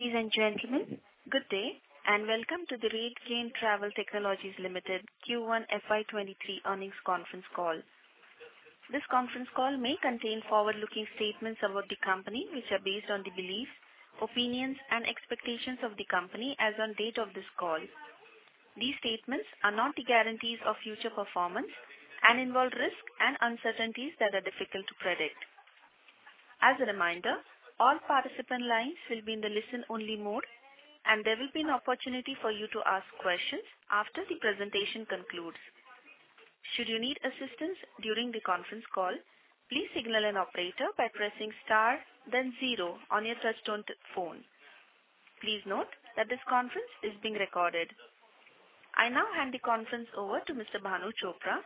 Ladies and gentlemen, good day, and welcome to the RateGain Travel Technologies Limited Q1 FY 2023 Earnings Conference Call. This conference call may contain forward-looking statements about the company, which are based on the beliefs, opinions and expectations of the company as on date of this call. These statements are not guarantees of future performance and involve risks and uncertainties that are difficult to predict. As a reminder, all participant lines will be in the listen-only mode, and there will be an opportunity for you to ask questions after the presentation concludes. Should you need assistance during the conference call, please signal an operator by pressing star then zero on your touch-tone phone. Please note that this conference is being recorded. I now hand the conference over to Mr. Bhanu Chopra,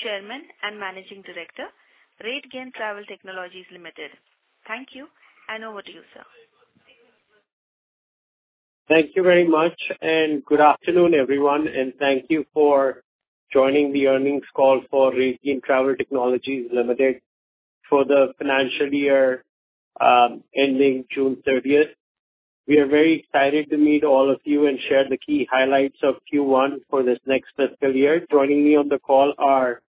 Chairman and Managing Director, RateGain Travel Technologies Limited. Thank you, and over to you, sir. Thank you very much, and good afternoon, everyone, and thank you for joining the earnings call for RateGain Travel Technologies Limited for the financial year ending June 30th. We are very excited to meet all of you and share the key highlights of Q1 for this next fiscal year. Joining me on the call are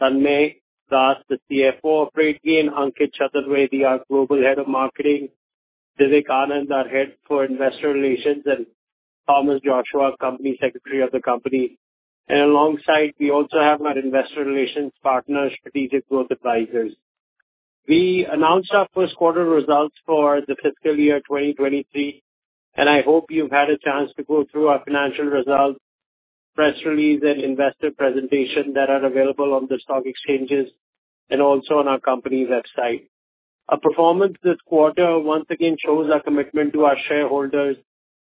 Tanmaya Das, the CFO of RateGain, Ankit Chaturvedi, our Global Head of Marketing, Divik Anand our Head for Investor Relations, and Thomas Joshua, Company Secretary of the company. Alongside, we also have our Investor Relations partner, Strategic Growth Advisors. We announced our first quarter results for the fiscal year 2023, and I hope you've had a chance to go through our financial results, press release and investor presentation that are available on the stock exchanges and also on our company website. Our performance this quarter once again shows our commitment to our shareholders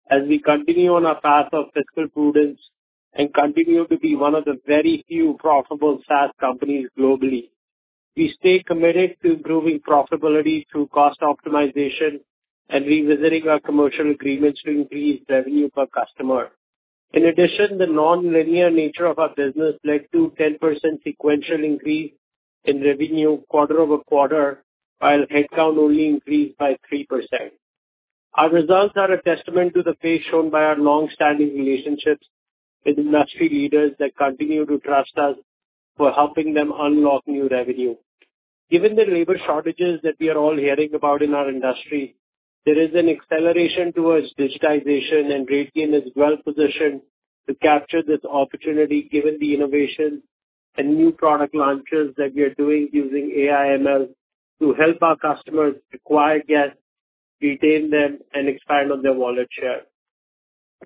as we continue on our path of fiscal prudence and continue to be one of the very few profitable SaaS companies globally. We stay committed to improving profitability through cost optimization and revisiting our commercial agreements to increase revenue per customer. In addition, the nonlinear nature of our business led to 10% sequential increase in revenue quarter-over-quarter, while headcount only increased by 3%. Our results are a testament to the faith shown by our long-standing relationships with industry leaders that continue to trust us for helping them unlock new revenue. Given the labor shortages that we are all hearing about in our industry, there is an acceleration towards digitization, and RateGain is well positioned to capture this opportunity, given the innovation and new product launches that we are doing using AI/ML to help our customers acquire guests, retain them, and expand on their wallet share.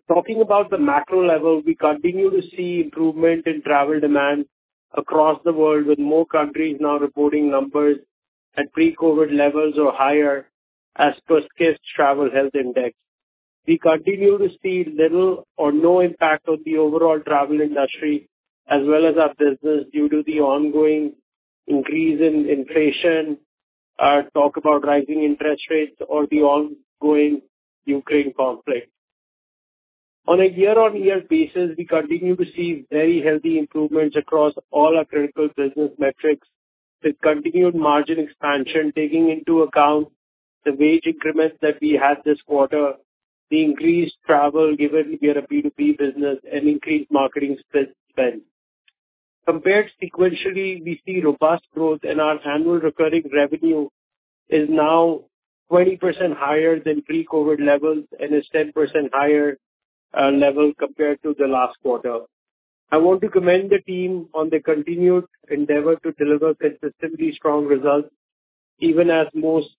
Talking about the macro level, we continue to see improvement in travel demand across the world, with more countries now reporting numbers at pre-COVID levels or higher as per Skift Travel Health Index. We continue to see little or no impact of the overall travel industry as well as our business due to the ongoing increase in inflation, or talk about rising interest rates or the ongoing Ukraine conflict. On a year-on-year basis, we continue to see very healthy improvements across all our critical business metrics with continued margin expansion, taking into account the wage increments that we had this quarter, the increased travel given we are a B2B business and increased marketing spend. Compared sequentially, we see robust growth in our annual recurring revenue is now 20% higher than pre-COVID levels and is 10% higher level compared to the last quarter. I want to commend the team on their continued endeavor to deliver consistently strong results, even as most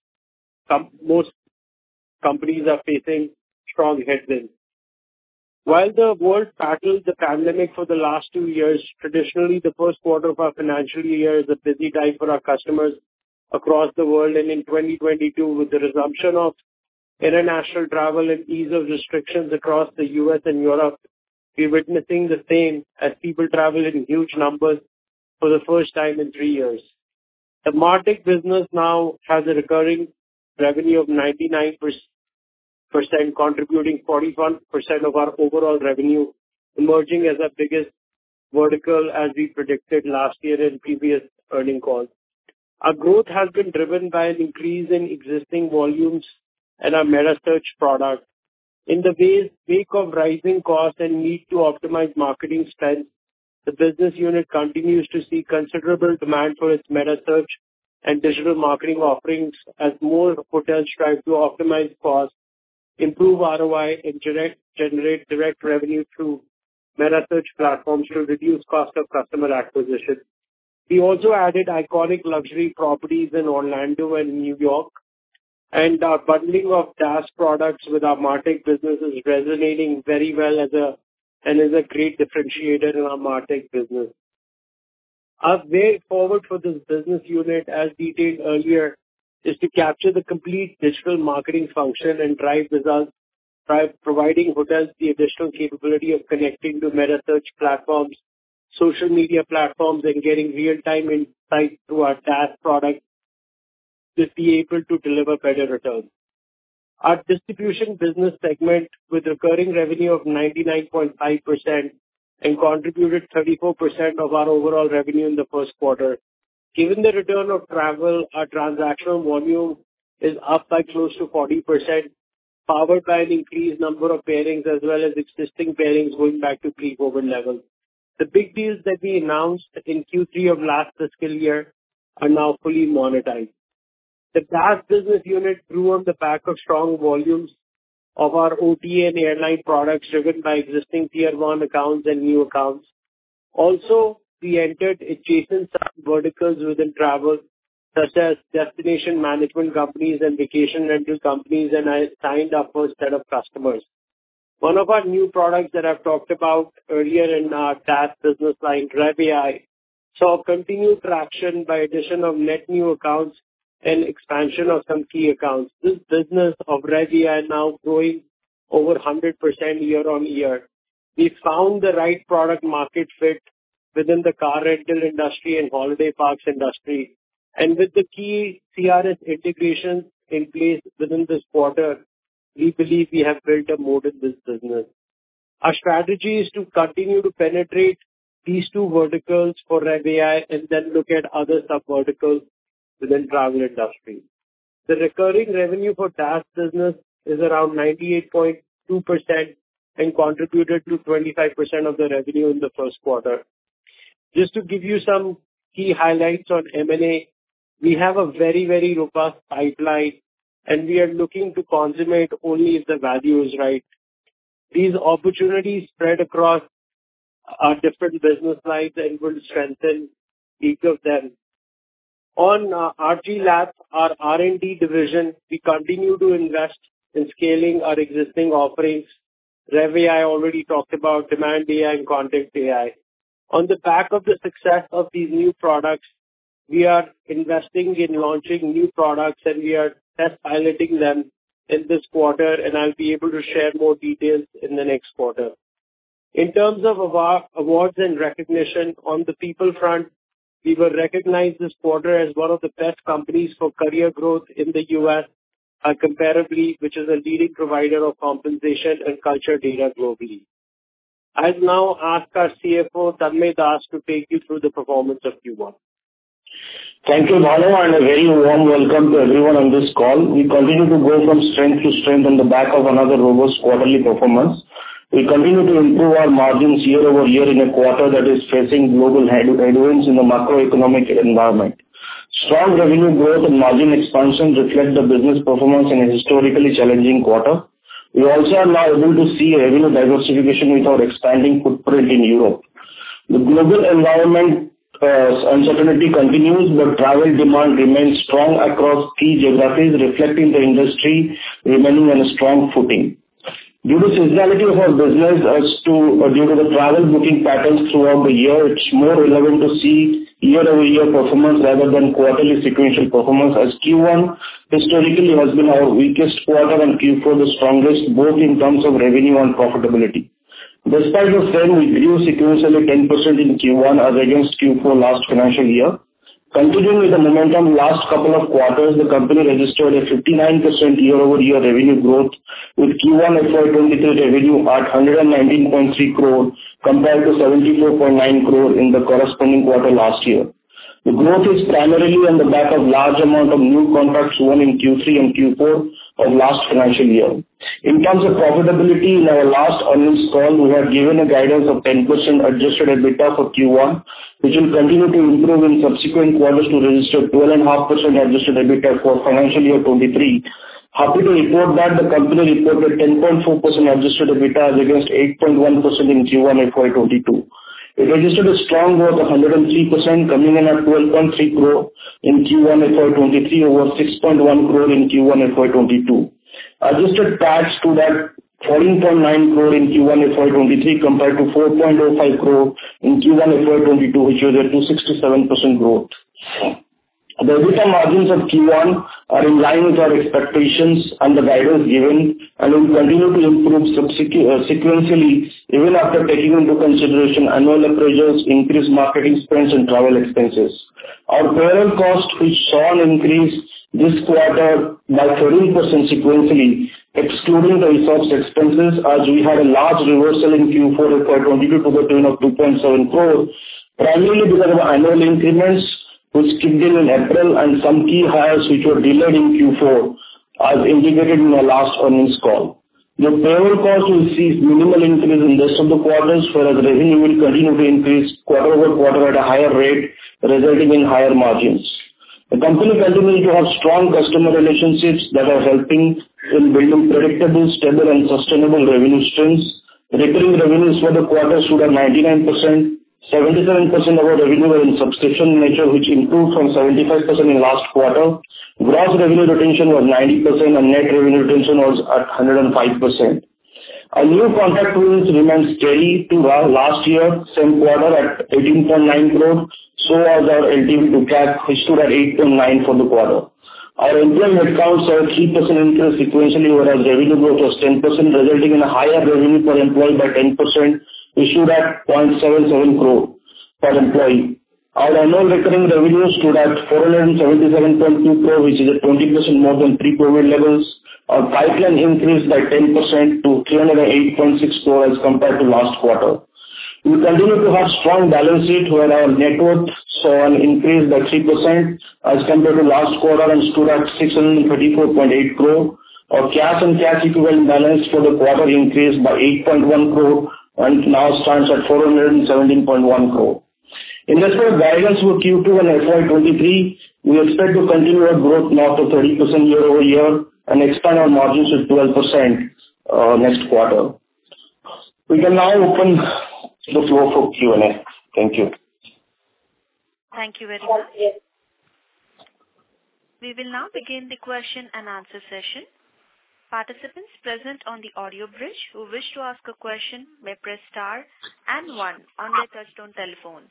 companies are facing strong headwinds. While the world battled the pandemic for the last two years, traditionally, the first quarter of our financial year is a busy time for our customers across the world. In 2022, with the resumption of international travel and ease of restrictions across the U.S. and Europe, we're witnessing the same as people travel in huge numbers for the first time in three years. The MarTech business now has a recurring revenue of 99%, contributing 41% of our overall revenue, emerging as our biggest vertical as we predicted last year in previous earnings calls. Our growth has been driven by an increase in existing volumes and our metasearch product. In the wake of rising costs and need to optimize marketing spend, the business unit continues to see considerable demand for its metasearch and digital marketing offerings as more hotels strive to optimize costs, improve ROI and generate direct revenue through metasearch platforms to reduce cost of customer acquisition. We also added iconic luxury properties in Orlando and New York, and our bundling of DaaS products with our MarTech business is resonating very well and is a great differentiator in our MarTech business. Our way forward for this business unit, as detailed earlier, is to capture the complete digital marketing function and drive results by providing hotels the additional capability of connecting to metasearch platforms, social media platforms, and getting real-time insights through our task product to be able to deliver better returns. Our distribution business segment with recurring revenue of 99.5% and contributed 34% of our overall revenue in the first quarter. Given the return of travel, our transactional volume is up by close to 40%, powered by increased number of pairings as well as existing pairings going back to pre-COVID levels. The big deals that we announced in Q3 of last fiscal year are now fully monetized. The DaaS business unit grew on the back of strong volumes of our OTA and airline products driven by existing Tier 1 accounts and new accounts. Also, we entered adjacent sub-verticals within travel, such as destination management companies and vacation rental companies, and I signed up a set of customers. One of our new products that I've talked about earlier in our DaaS business line, revAI, saw continued traction by addition of net new accounts and expansion of some key accounts. This business of revAI now growing over 100% year-on-year. We found the right product market fit within the car rental industry and holiday parks industry. With the key CRS integrations in place within this quarter, we believe we have built a moat in this business. Our strategy is to continue to penetrate these two verticals for revAI and then look at other sub-verticals within the travel industry. The recurring revenue for DaaS business is around 98.2% and contributed to 25% of the revenue in the first quarter. Just to give you some key highlights on M&A, we have a very, very robust pipeline, and we are looking to consummate only if the value is right. These opportunities spread across our different business lines and will strengthen each of them. On RG Labs, our R&D division, we continue to invest in scaling our existing offerings. RevAI already talked about Demand.AI and Content.AI. On the back of the success of these new products, we are investing in launching new products, and we are test piloting them in this quarter, and I'll be able to share more details in the next quarter. In terms of awards and recognition on the people front, we were recognized this quarter as one of the best companies for career growth in the U.S. at Comparably, which is a leading provider of compensation and culture data globally. I'll now ask our CFO, Tanmaya Das, to take you through the performance of Q1. Thank you, Bhanu, and a very warm welcome to everyone on this call. We continue to go from strength to strength on the back of another robust quarterly performance. We continue to improve our margins year-over-year in a quarter that is facing global headwinds in the macroeconomic environment. Strong revenue growth and margin expansion reflect the business performance in a historically challenging quarter. We also are now able to see revenue diversification with our expanding footprint in Europe. The global environment, such uncertainty continues, but travel demand remains strong across key geographies, reflecting the industry remaining on a strong footing. Due to seasonality of our business due to the travel booking patterns throughout the year, it's more relevant to see year-over-year performance rather than quarterly sequential performance as Q1 historically has been our weakest quarter and Q4 the strongest, both in terms of revenue and profitability. Despite this trend, we grew sequentially 10% in Q1 as against Q4 last financial year. Continuing with the momentum last couple of quarters, the company registered a 59% year-over-year revenue growth, with Q1 FY 2023 revenue at 119.3 crore compared to 74.9 crore in the corresponding quarter last year. The growth is primarily on the back of large amount of new contracts won in Q3 and Q4 of last financial year. In terms of profitability, in our last earnings call, we had given a guidance of 10% adjusted EBITDA for Q1, which will continue to improve in subsequent quarters to register 12.5% adjusted EBITDA for financial year 2023. Happy to report that the company reported 10.4% adjusted EBITDA as against 8.1% in Q1 FY 2022. It registered a strong growth of 103% coming in at 12.3 crore in Q1 FY 2023 over 6.1 crore in Q1 FY 2022. Adjusted PAT to that, 14.9 crore in Q1 FY 2023 compared to 4.05 crore in Q1 FY 2022, which was a 267% growth. The EBITDA margins of Q1 are in line with our expectations and the guidance given and will continue to improve sequentially even after taking into consideration annual appraisals, increased marketing spends and travel expenses. Our payroll costs, which saw an increase this quarter by 13% sequentially, excluding the resource expenses, as we had a large reversal in Q4 FY 2022 to the tune of 2.7 crore, primarily because of annual increments which kicked in in April and some key hires which were delayed in Q4, as indicated in our last earnings call. The payroll cost will see minimal increase in rest of the quarters, whereas revenue will continue to increase quarter-over-quarter at a higher rate, resulting in higher margins. The company continues to have strong customer relationships that are helping in building predictable, stable and sustainable revenue streams. Recurring revenues for the quarter stood at 99%. 77% of our revenue are in subscription nature, which improved from 75% in last quarter. Gross revenue retention was 90% and net revenue retention was at 105%. Our new contract wins remain steady to last year same quarter at 18.9 crore. So was our LTV to CAC, which stood at 8.9 for the quarter. Our employee headcounts saw a 3% increase sequentially whereas revenue growth was 10%, resulting in a higher revenue per employee by 10%, which stood at 0.77 crore per employee. Our annual recurring revenue stood at 477.2 crore, which is at 20% more than pre-COVID levels. Our pipeline increased by 10% to 308.6 crore compared to last quarter. We continue to have strong balance sheet where our net worth increased by 3% as compared to last quarter and stood at 634.8 crore. Our cash and cash equivalent balance for the quarter increased by 8.1 crore and now stands at 417.1 crore. In terms of guidance for Q2 and FY 2023, we expect to continue our growth north of 30% year-over-year and expand our margins to 12% next quarter. We can now open the floor for Q&A. Thank you. Thank you very much. We will now begin the question and answer session. Participants present on the audio bridge who wish to ask a question may press star and one on their touch-tone telephone.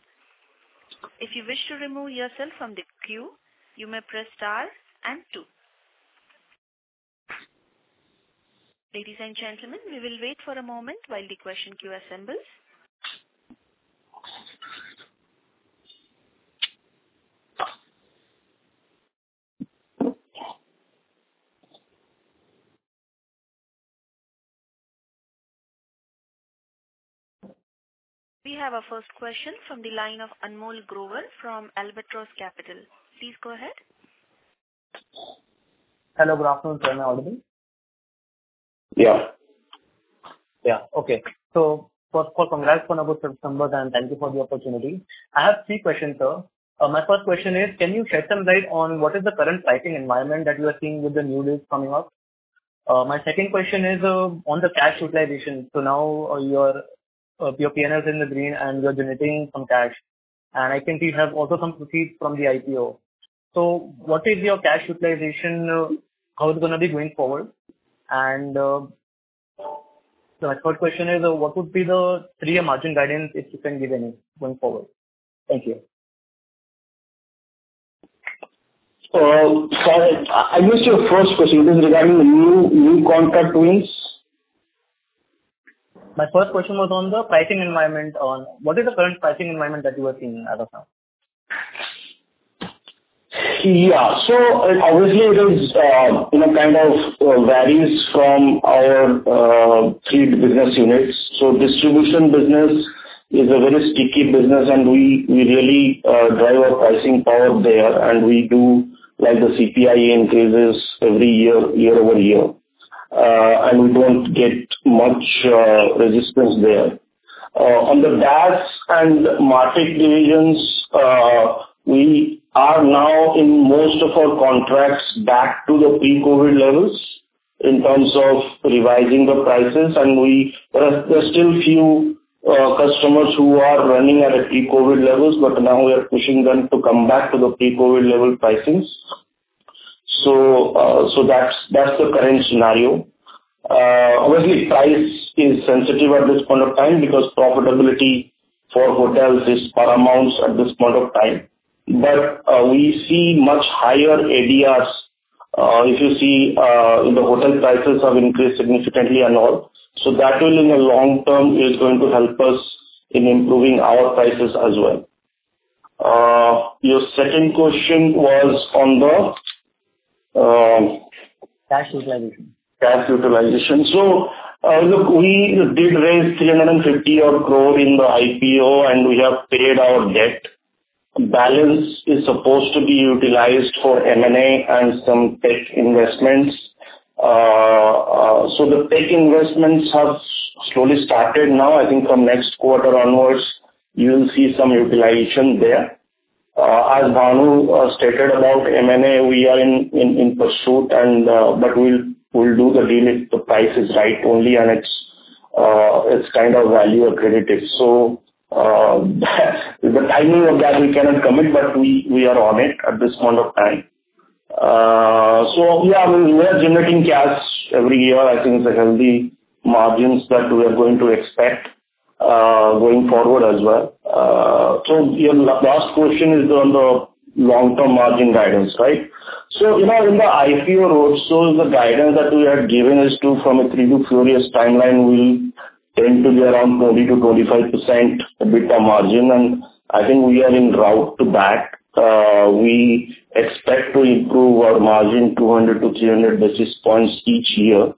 If you wish to remove yourself from the queue, you may press star and two. Ladies and gentlemen, we will wait for a moment while the question queue assembles. We have our first question from the line of Anmol Grover from Albatross Capital. Please go ahead. Hello. Good afternoon. Sir, am I audible? Yeah. Yeah. Okay. First of all, congrats on a good September, and thank you for the opportunity. I have three questions, sir. My first question is can you shed some light on what is the current pricing environment that you are seeing with the new deals coming up? My second question is on the cash utilization. Now your P&L is in the green and you're generating some cash. I think you have also some proceeds from the IPO. What is your cash utilization? How is it gonna be going forward? My third question is, what would be the three-year margin guidance, if you can give any going forward? Thank you. Sorry, I missed your first question. It was regarding the new contract wins. My first question was on the pricing environment, on what is the current pricing environment that you are seeing as of now? Yeah. Obviously it is, you know, kind of varies from our three business units. Distribution business is a very sticky business, and we really drive our pricing power there. We do like the CPI increases every year year-over-year. We don't get much resistance there. On the DaaS and MarTech divisions, we are now in most of our contracts back to the pre-COVID levels in terms of revising the prices. There are still few customers who are running at pre-COVID levels, but now we are pushing them to come back to the pre-COVID level pricings. That's the current scenario. Obviously price is sensitive at this point of time because profitability for hotels is paramount at this point of time. We see much higher ADRs. If you see, the hotel prices have increased significantly and all. That will in the long term is going to help us in improving our prices as well. Your second question was on the- Cash utilization. Cash utilization. Look, we did raise 350 odd crore in the IPO, and we have paid our debt. Balance is supposed to be utilized for M&A and some tech investments. The tech investments have slowly started now. I think from next quarter onwards you'll see some utilization there. As Bhanu stated about M&A, we are in pursuit, but we'll do the deal if the price is right only and it's kind of value accretive. The timing of that we cannot commit, but we are on it at this point of time. Yeah, we are generating cash every year. I think it's a healthy margins that we are going to expect going forward as well. Your last question is on the long-term margin guidance, right? You know, in the IPO roadshow, the guidance that we had given is to from a three to four years timeline will tend to be around 20%-25% EBITDA margin. I think we are en route to that. We expect to improve our margin 200-300 basis points each year.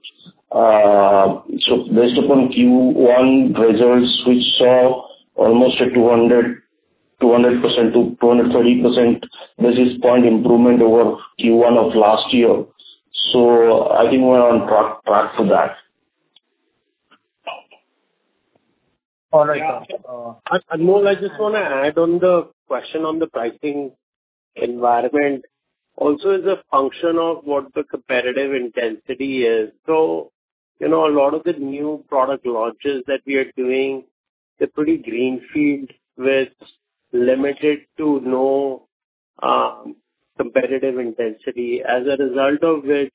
Based upon Q1 results, we saw almost a 200-230 basis point improvement over Q1 of last year. I think we're on track to that. All right. Anmol, I just want to add on the question on the pricing environment, also is a function of what the competitive intensity is. You know, a lot of the new product launches that we are doing, they're pretty greenfield with limited to no competitive intensity. As a result of which,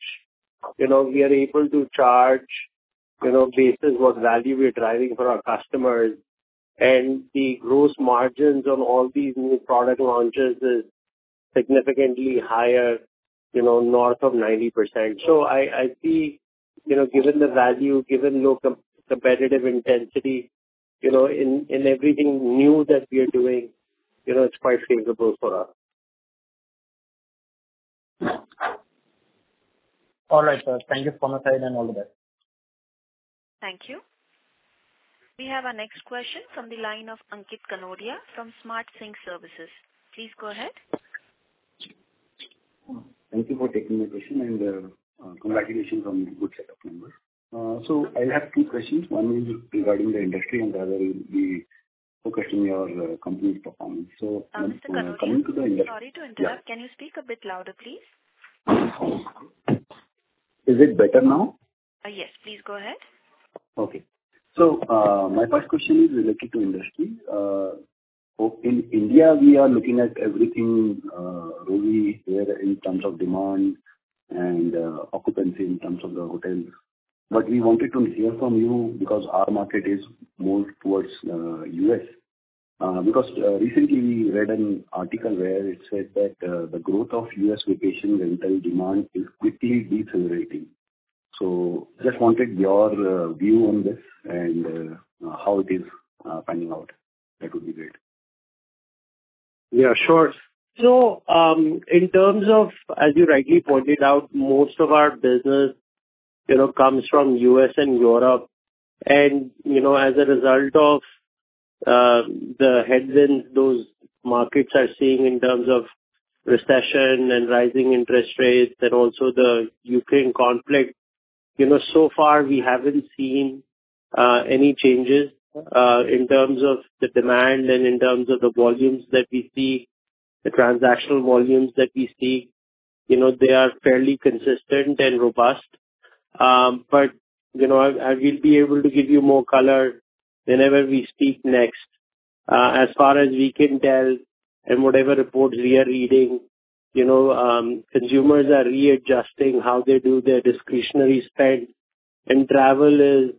you know, we are able to charge, you know, based on what value we are driving for our customers. The gross margins on all these new product launches is significantly higher, you know, north of 90%. I see you know, given the value, given the competitive intensity, you know, in everything new that we are doing, you know, it's quite favorable for us. All right, sir. Thank you for your time and all the best. Thank you. We have our next question from the line of Ankit Kanodia from Smart Sync Services. Please go ahead. Thank you for taking my question, and congratulations on the good set of numbers. I have two questions. One will be regarding the industry and the other will be focusing your company's performance. Mr. Kanodia, sorry to interrupt. Yeah. Can you speak a bit louder, please? Is it better now? Yes. Please go ahead. Okay. My first question is related to industry. In India we are looking at everything, really where in terms of demand and occupancy in terms of the hotels. We wanted to hear from you because our market is more towards, U.S. Because, recently we read an article where it said that, the growth of U.S. vacation rental demand is quickly decelerating. Just wanted your view on this and how it is panning out. That would be great. Yeah, sure. In terms of, as you rightly pointed out, most of our business, you know, comes from U.S. and Europe. As a result of the headwinds those markets are seeing in terms of recession and rising interest rates and also the Ukraine conflict. You know, so far, we haven't seen any changes in terms of the demand and in terms of the volumes that we see, the transactional volumes that we see. You know, they are fairly consistent and robust. I will be able to give you more color whenever we speak next. As far as we can tell and whatever reports we are reading, you know, consumers are readjusting how they do their discretionary spend. Travel is,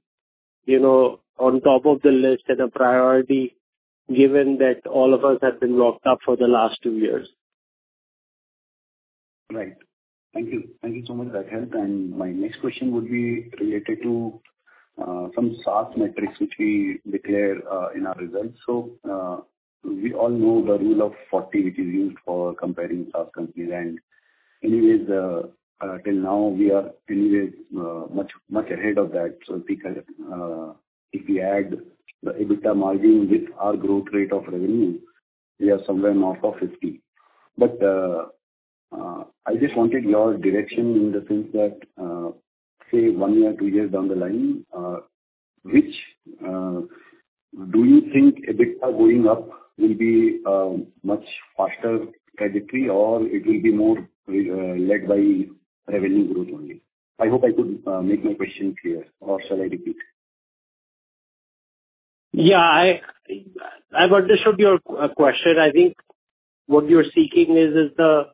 you know, on top of the list and a priority given that all of us have been locked up for the last two years. Right. Thank you. Thank you so much. That helped. My next question would be related to some SaaS metrics, which we declare in our results. We all know the rule of 40, which is used for comparing SaaS companies. Anyways, till now we are anyway much ahead of that. Because if we add the EBITDA margin with our growth rate of revenue, we are somewhere north of 50%. I just wanted your direction in the sense that, say one year or two years down the line, which do you think EBITDA going up will be much faster trajectory or it will be more led by revenue growth only? I hope I could make my question clear, or shall I repeat? Yeah, I've understood your question. I think what you're seeking is the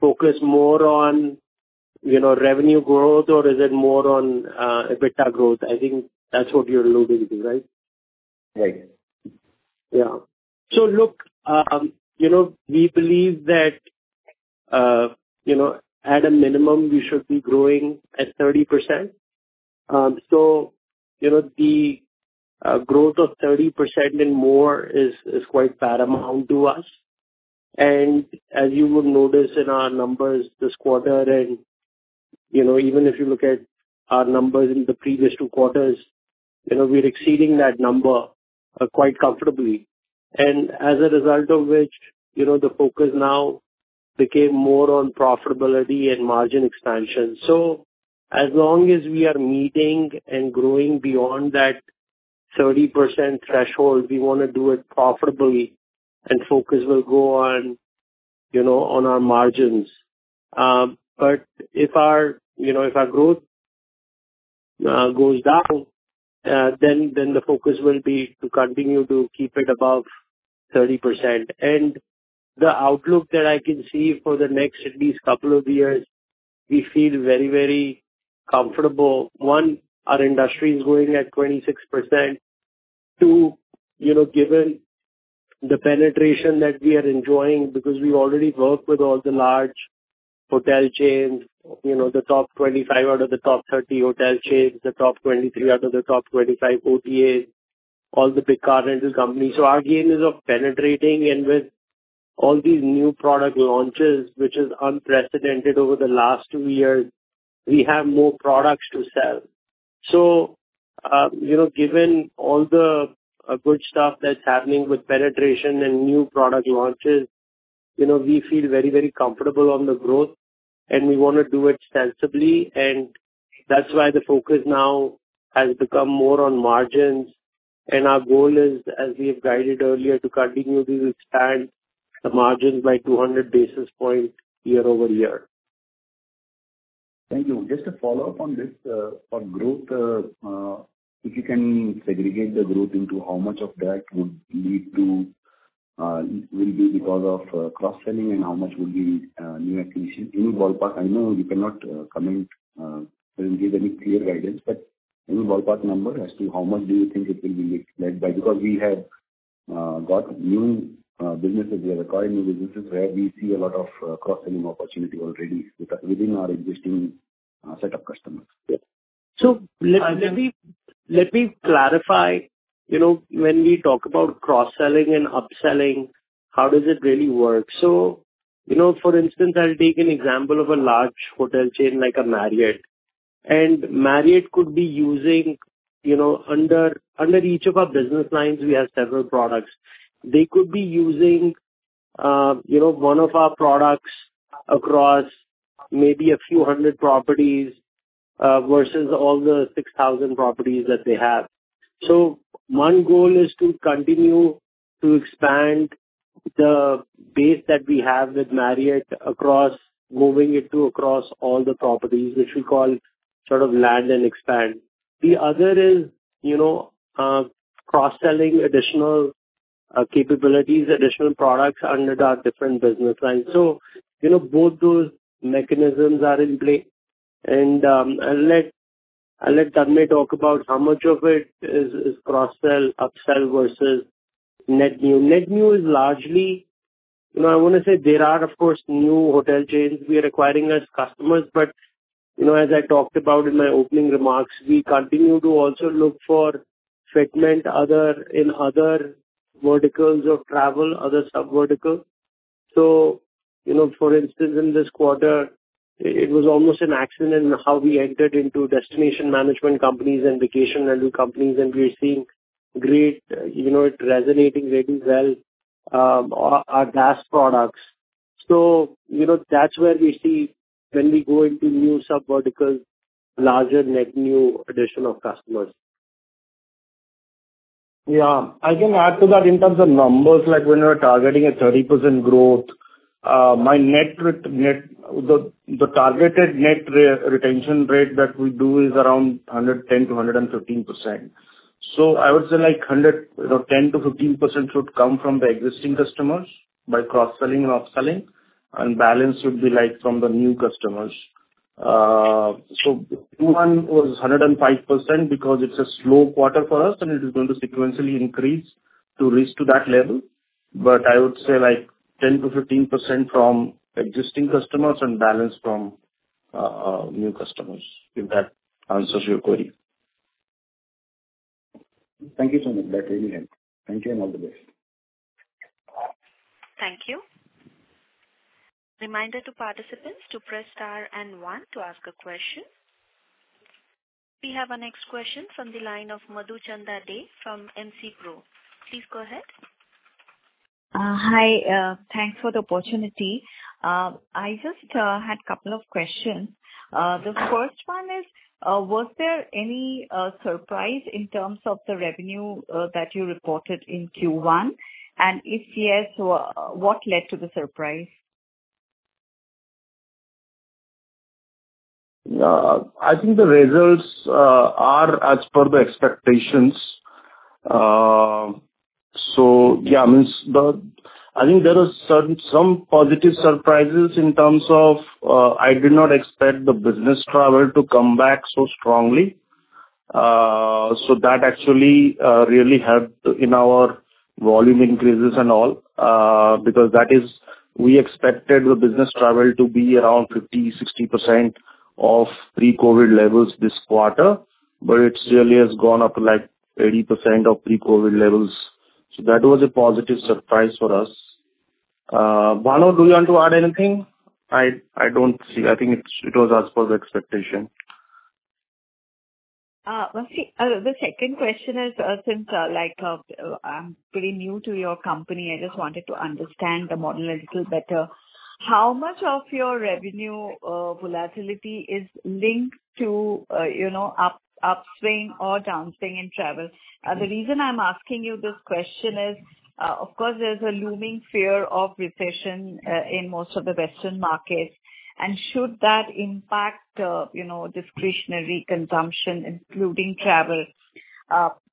focus more on, you know, revenue growth or is it more on, EBITDA growth? I think that's what you're alluding to, right? Right. Yeah. Look, you know, we believe that, you know, at a minimum, we should be growing at 30%. You know, the growth of 30% and more is quite paramount to us. As you would notice in our numbers this quarter and you know, even if you look at our numbers in the previous two quarters, you know, we're exceeding that number quite comfortably. As a result of which, you know, the focus now became more on profitability and margin expansion. As long as we are meeting and growing beyond that 30% threshold, we wanna do it profitably and focus will go on, you know, on our margins. If our growth goes down, then the focus will be to continue to keep it above 30%. The outlook that I can see for the next at least couple of years, we feel very, very comfortable. One, our industry is growing at 26%. Two, you know, given the penetration that we are enjoying because we already work with all the large hotel chains, you know, the top 25 out of the top 30 hotel chains, the top 23 out of the top 25 OTAs, all the big car rental companies. Our game is of penetrating. With all these new product launches, which is unprecedented over the last two years, we have more products to sell. You know, given all the good stuff that's happening with penetration and new product launches, you know, we feel very, very comfortable on the growth, and we wanna do it sensibly. That's why the focus now has become more on margins. Our goal is, as we have guided earlier, to continuously expand the margins by 200 basis points year-over-year. Thank you. Just a follow-up on this. On growth, if you can segregate the growth into how much of that will be because of cross-selling and how much would be new acquisitions, any ballpark. I know you cannot comment or give any clear guidance, but any ballpark number as to how much do you think it will be led by? Because we have got new businesses. We are acquiring new businesses where we see a lot of cross-selling opportunity already within our existing set of customers. Let me clarify. You know, when we talk about cross-selling and upselling, how does it really work? You know, for instance, I'll take an example of a large hotel chain like a Marriott. Marriott could be using, you know, under each of our business lines we have several products. They could be using, you know, one of our products across maybe a few hundred properties, versus all the 6,000 properties that they have. One goal is to continue to expand the base that we have with Marriott across all the properties, which we call sort of land and expand. The other is, you know, cross-selling additional capabilities, additional products under our different business lines. You know, both those mechanisms are in play. I'll let Tanmaya talk about how much of it is cross-sell, upsell versus net new. Net new is largely. You know, I wanna say there are of course new hotel chains we are acquiring as customers, but, you know, as I talked about in my opening remarks, we continue to also look for segments other, in other verticals of travel, other subvertical. You know, for instance, in this quarter, it was almost an accident how we entered into destination management companies and vacation rental companies, and we are seeing great, you know, it resonating very well, our DaaS products. You know, that's where we see when we go into new sub-verticals, larger net new addition of customers. Yeah. I can add to that in terms of numbers, like when we're targeting a 30% growth, the targeted net retention rate that we do is around 110%-115%. I would say like 10%-15% should come from the existing customers by cross-selling and upselling, and balance should be like from the new customers. Q1 was 105% because it's a slow quarter for us and it is going to sequentially increase to reach to that level. I would say like 10%-15% from existing customers and balance from new customers, if that answers your query. Thank you so much. That really helps. Thank you, and all the best. Thank you. Reminder to participants to press star and one to ask a question. We have our next question from the line of Madhuchanda Dey from MC Pro. Please go ahead. Hi. Thanks for the opportunity. I just had couple of questions. The first one is, was there any surprise in terms of the revenue that you reported in Q1? If yes, what led to the surprise? I think the results are as per the expectations. Yeah, I mean, I think there were some positive surprises in terms of, I did not expect the business travel to come back so strongly. That actually really helped in our volume increases and all, because we expected the business travel to be around 50%-60% of pre-COVID levels this quarter, but it really has gone up to like 80% of pre-COVID levels. That was a positive surprise for us. Bhanu, do you want to add anything? I don't see. I think it was as per the expectation. Okay. The second question is, since, like, I'm pretty new to your company, I just wanted to understand the model a little better. How much of your revenue volatility is linked to, you know, upswing or downswing in travel? The reason I'm asking you this question is, of course there's a looming fear of recession in most of the Western markets, and should that impact, you know, discretionary consumption, including travel,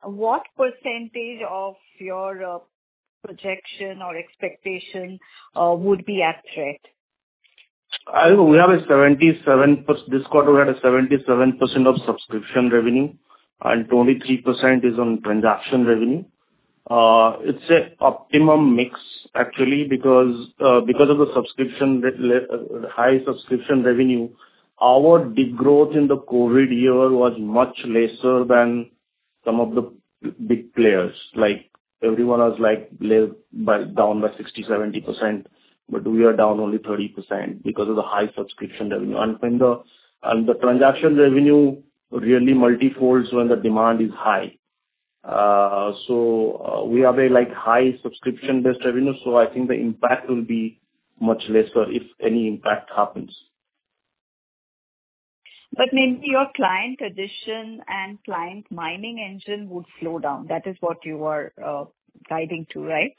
what percentage of your projection or expectation would be at threat? I think we have 77%—this quarter, we had 77% of subscription revenue and 23% is on transaction revenue. It's an optimum mix actually because of the subscription, high subscription revenue, our degrowth in the COVID year was much lesser than some of the big players. Like, everyone was down by 60%-70%, but we are down only 30% because of the high subscription revenue. When the transaction revenue really multi-folds when the demand is high. We have, like, high subscription-based revenue, so I think the impact will be much lesser if any impact happens. Maybe your client addition and client mining engine would slow down. That is what you are guiding to, right?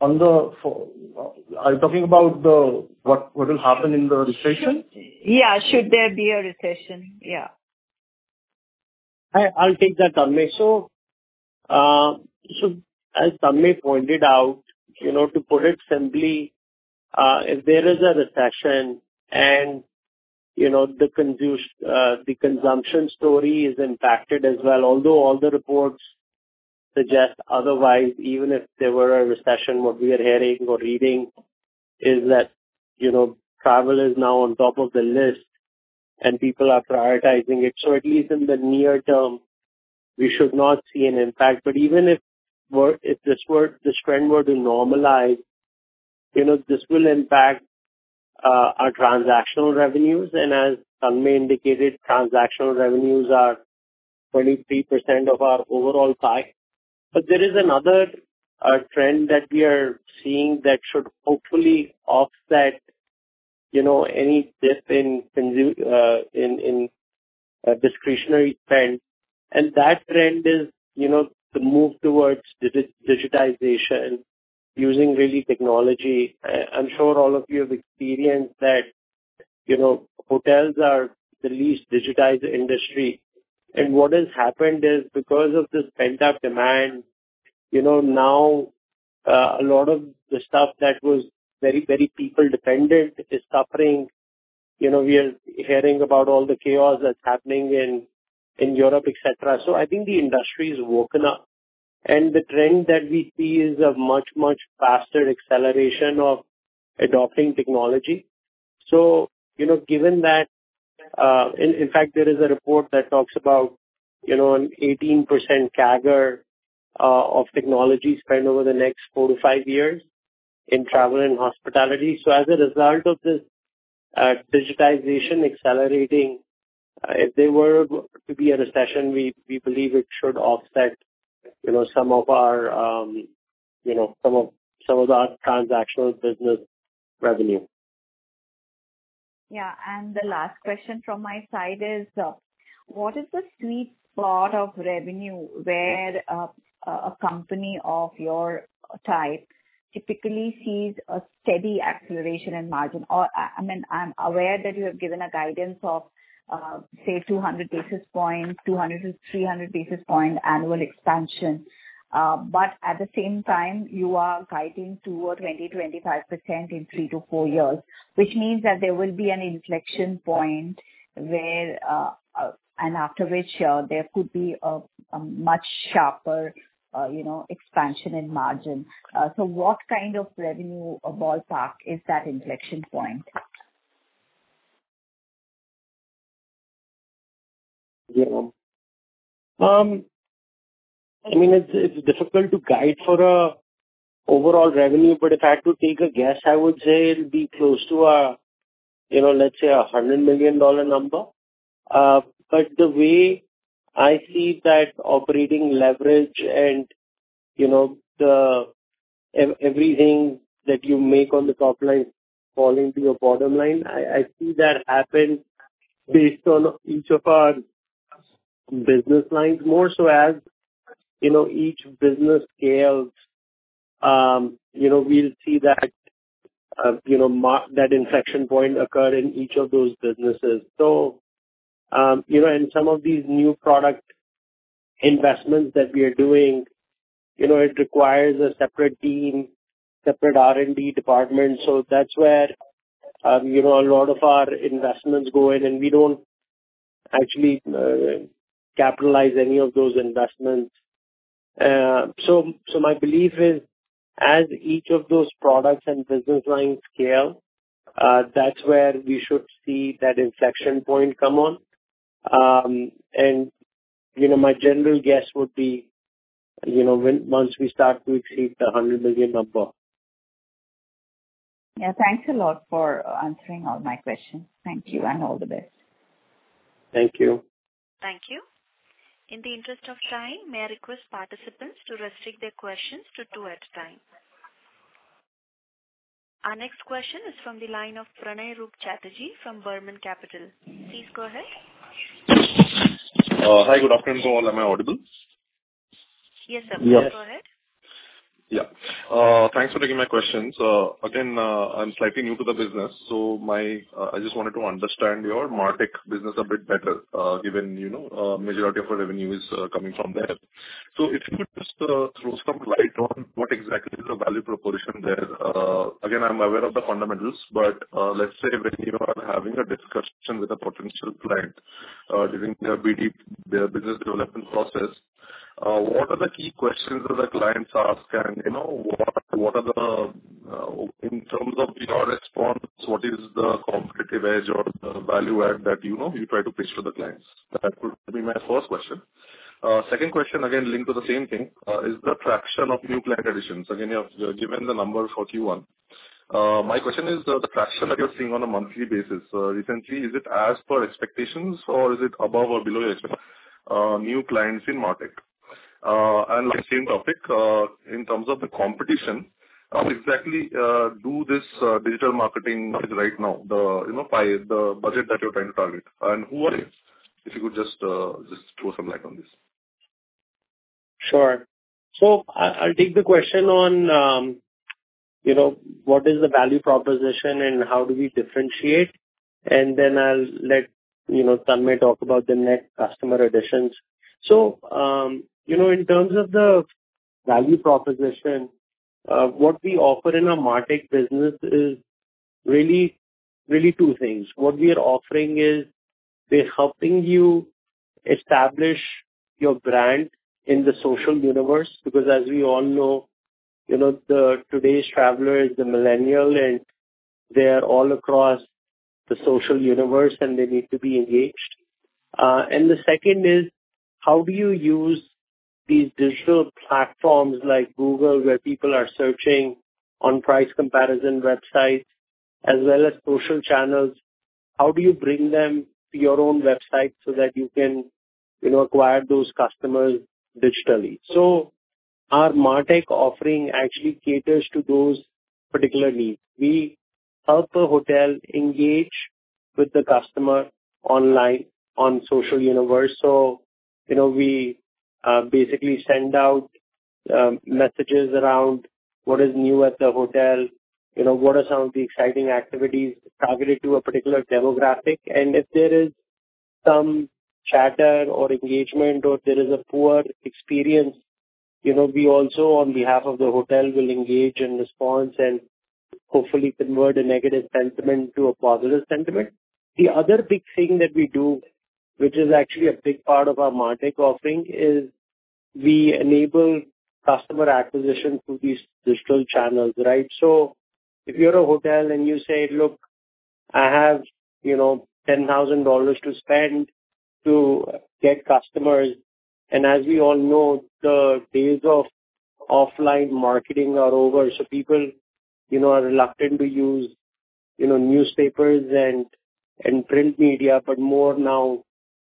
Are you talking about the, what will happen in the recession? Yeah. Should there be a recession? Yeah. I'll take that, Tanmaya. As Tanmaya pointed out, you know, to put it simply, if there is a recession and you know, the consumption story is impacted as well, although all the reports suggest otherwise. Even if there were a recession, what we are hearing or reading is that, you know, travel is now on top of the list and people are prioritizing it. At least in the near term, we should not see an impact. Even if the spend were to normalize, you know, this will impact our transactional revenues. As Tanmaya indicated, transactional revenues are 23% of our overall pie. There is another trend that we are seeing that should hopefully offset, you know, any dip in discretionary spend. That trend is, you know, the move towards digitization using really technology. I'm sure all of you have experienced that, you know, hotels are the least digitized industry. What has happened is because of this pent-up demand you know, now a lot of the stuff that was very people dependent is suffering. You know, we are hearing about all the chaos that's happening in Europe, et cetera. I think the industry has woken up and the trend that we see is a much faster acceleration of adopting technology. You know, given that, in fact, there is a report that talks about, you know, an 18% CAGR of technology spend over the next four to five years in travel and hospitality. As a result of this digitization accelerating, if there were to be a recession, we believe it should offset, you know, some of our transactional business revenue. Yeah. The last question from my side is, what is the sweet spot of revenue where a company of your type typically sees a steady acceleration in margin? Or I mean, I'm aware that you have given a guidance of, say, 200 basis points, 200-300 basis points annual expansion. But at the same time you are guiding toward 20%-25% in three to four years, which means that there will be an inflection point where, and after which, there could be a much sharper, you know, expansion in margin. So what kind of revenue or ballpark is that inflection point? Yeah. I mean, it's difficult to guide for an overall revenue, but if I had to take a guess, I would say it'll be close to a, let's say $100 million number. But the way I see that operating leverage and you know, everything that you make on the top line falling to your bottom line, I see that happen based on each of our business lines more so as, you know, each business scales, we'll see that inflection point occur in each of those businesses. Some of these new product investments that we are doing, it requires a separate team, separate R&D department. That's where, you know, a lot of our investments go in, and we don't actually capitalize any of those investments. My belief is, as each of those products and business lines scale, that's where we should see that inflection point come on. You know, my general guess would be, you know, once we start to exceed the $100 million number. Yeah. Thanks a lot for answering all my questions. Thank you and all the best. Thank you. Thank you. In the interest of time, may I request participants to restrict their questions to two at a time? Our next question is from the line of Pranay Roop Chatterjee from Burman Capital. Please go ahead. Hi, good afternoon to all. Am I audible? Yes, sir. Yes. Go ahead. Thanks for taking my questions. Again, I'm slightly new to the business, so I just wanted to understand your MarTech business a bit better, given you know majority of our revenue is coming from there. If you could just throw some light on what exactly is the value proposition there. Again, I'm aware of the fundamentals, but let's say when you are having a discussion with a potential client, during their BD, business development process, what are the key questions that the clients ask? You know, what are the in terms of your response, what is the competitive edge or the value add that you know you try to pitch to the clients? That would be my first question. Second question, again, linked to the same thing, is the traction of new client additions. Again, you have given the number for Q1. My question is the traction that you're seeing on a monthly basis recently, is it as per expectations or is it above or below your expectations, new clients in MarTech? Like same topic, in terms of the competition, how exactly is the digital marketing landscape right now, you know, the pie, the budget that you're trying to target and who are they? If you could just throw some light on this. Sure. I'll take the question on, you know, what is the value proposition and how do we differentiate. Then I'll let you know, Tanmaya talk about the net customer additions. You know, in terms of the value proposition, what we offer in our MarTech business is really, really two things. What we are offering is we're helping you establish your brand in the social universe because as we all know, you know, today's traveler is the millennial, and they are all across the social universe, and they need to be engaged. And the second is, how do you use these digital platforms like Google, where people are searching on price comparison websites as well as social channels, how do you bring them to your own website so that you can, you know, acquire those customers digitally? Our MarTech offering actually caters to those particular needs. We help the hotel engage with the customer online on social universe. You know, we basically send out messages around what is new at the hotel, you know, what are some of the exciting activities targeted to a particular demographic. If there is some chatter or engagement or there is a poor experience, you know, we also, on behalf of the hotel, will engage in response and hopefully convert a negative sentiment to a positive sentiment. The other big thing that we do, which is actually a big part of our MarTech offering, is we enable customer acquisition through these digital channels, right? If you're a hotel and you say, "Look, I have, you know, $10,000 to spend to get customers," and as we all know, the days of offline marketing are over, so people, you know, are reluctant to use, you know, newspapers and print media,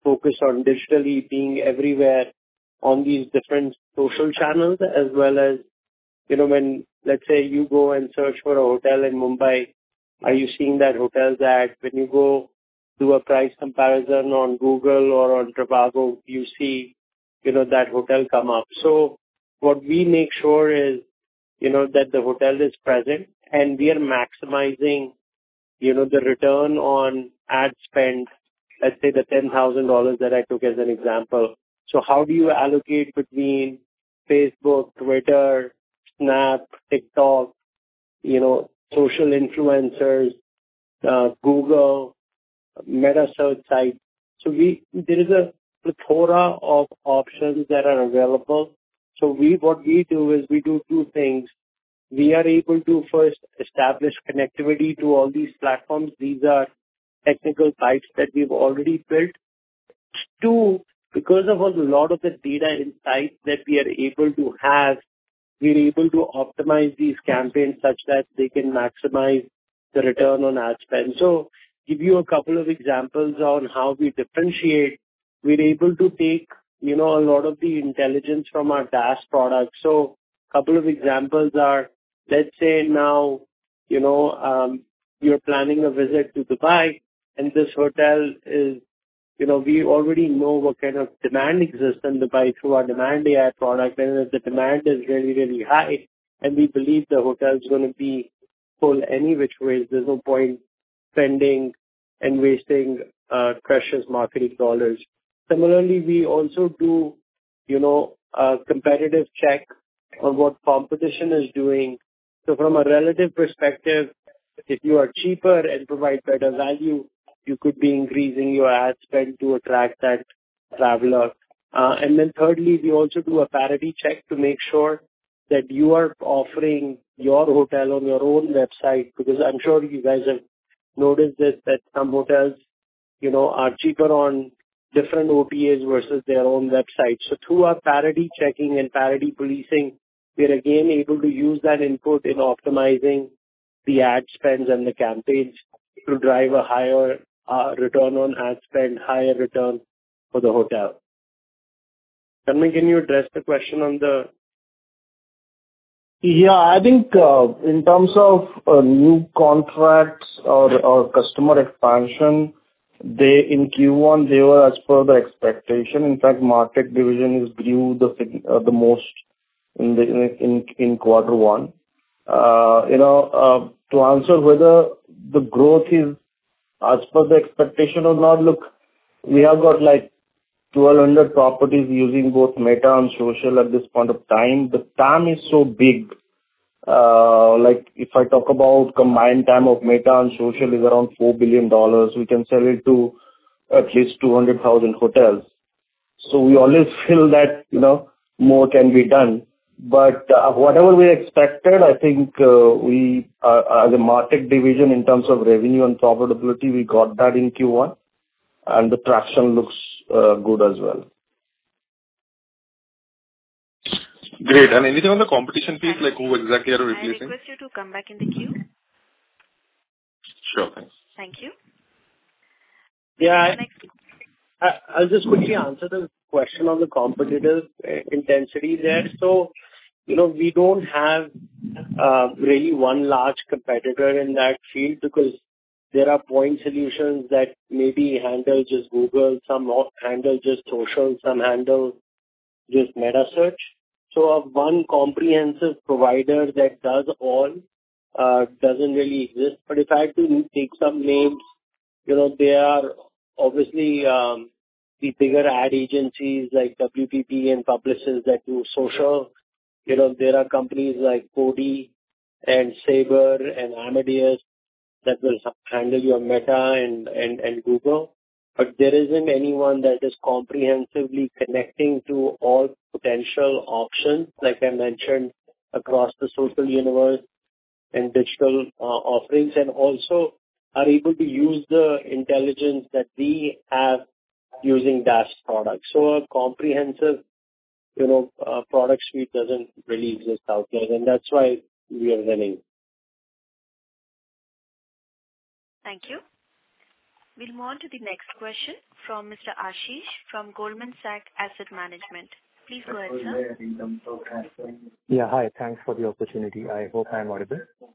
but more now focused on digitally being everywhere on these different social channels as well as, you know, when, let's say, you go and search for a hotel in Mumbai, are you seeing that hotel's ad, when you go do a price comparison on Google or on Trivago, you see, you know, that hotel come up. What we make sure is, you know, that the hotel is present and we are maximizing, you know, the return on ad spend, let's say the $10,000 that I took as an example. How do you allocate between Facebook, Twitter, Snap, TikTok, you know, social influencers, Google, metasearch site? There is a plethora of options that are available. What we do is we do two things. We are able to first establish connectivity to all these platforms. These are technical pipes that we've already built. Two, because of a lot of the data insight that we are able to have, we're able to optimize these campaigns such that they can maximize the return on ad spend. Give you a couple of examples on how we differentiate. We're able to take, you know, a lot of the intelligence from our DaaS product. Couple of examples are, let's say now, you know, you're planning a visit to Dubai and this hotel is, you know, we already know what kind of demand exists in Dubai through our Demand.AI product. If the demand is really, really high and we believe the hotel's gonna be full any which way, there's no point spending and wasting precious marketing dollars. Similarly, we also do, you know, a competitive check on what competition is doing. From a relative perspective, if you are cheaper and provide better value, you could be increasing your ad spend to attract that traveler. Then thirdly, we also do a parity check to make sure that you are offering your hotel on your own website because I'm sure you guys have noticed this, that some hotels, you know, are cheaper on different OTAs versus their own website. Through our parity checking and parity policing, we are again able to use that input in optimizing the ad spends and the campaigns to drive a higher return on ad spend, higher return for the hotel. Tanmaya, can you address the question on the- Yeah. I think, in terms of, new contracts or customer expansion, in Q1, they were as per the expectation. In fact, MarTech division has grew the most in quarter one. You know, to answer whether the growth is as per the expectation or not, look, we have got like 1,200 properties using both Meta and social at this point of time. The TAM is so big. Like if I talk about combined TAM of Meta and social is around $4 billion. We can sell it to at least 200,000 hotels. We always feel that, you know, more can be done. Whatever we expected, I think, we as a MarTech division in terms of revenue and profitability got that in Q1 and the traction looks good as well. Great. Anything on the competition piece? Like who exactly are we facing? I request you to come back in the queue. Sure thing. Thank you. Yeah. Next question. I'll just quickly answer the question on the competitors, intensity there. You know, we don't have really one large competitor in that field because there are point solutions that maybe handle just Google, some handle just social, some handle just metasearch. A one comprehensive provider that does all doesn't really exist. If I had to take some names, you know, there are obviously the bigger ad agencies like WPP and Publicis that do social. You know, there are companies like Koddi and Sabre and Amadeus that will handle your Meta and Google. There isn't anyone that is comprehensively connecting to all potential options, like I mentioned, across the social universe and digital offerings, and also are able to use the intelligence that we have using DaaS products. A comprehensive, you know, product suite doesn't really exist out there, and that's why we are running. Thank you. We'll move on to the next question from Mr. Ashish from Goldman Sachs Asset Management. Please go ahead, sir. Yeah. Hi. Thanks for the opportunity. I hope I'm audible. Yes.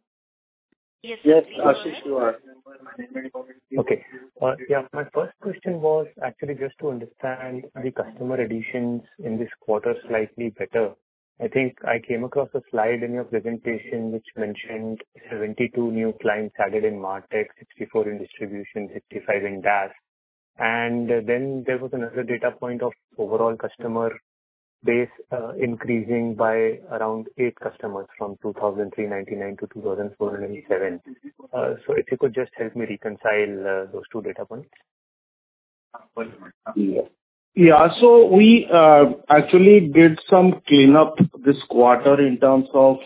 Yes, Ashish, you are. Okay. Yeah. My first question was actually just to understand the customer additions in this quarter slightly better. I think I came across a slide in your presentation which mentioned 72 new clients added in MarTech, 64 in distribution, 55 in DaaS. There was another data point of overall customer base, increasing by around eight customers from 2,399 to 2,407. If you could just help me reconcile those two data points? Yeah. We actually did some cleanup this quarter in terms of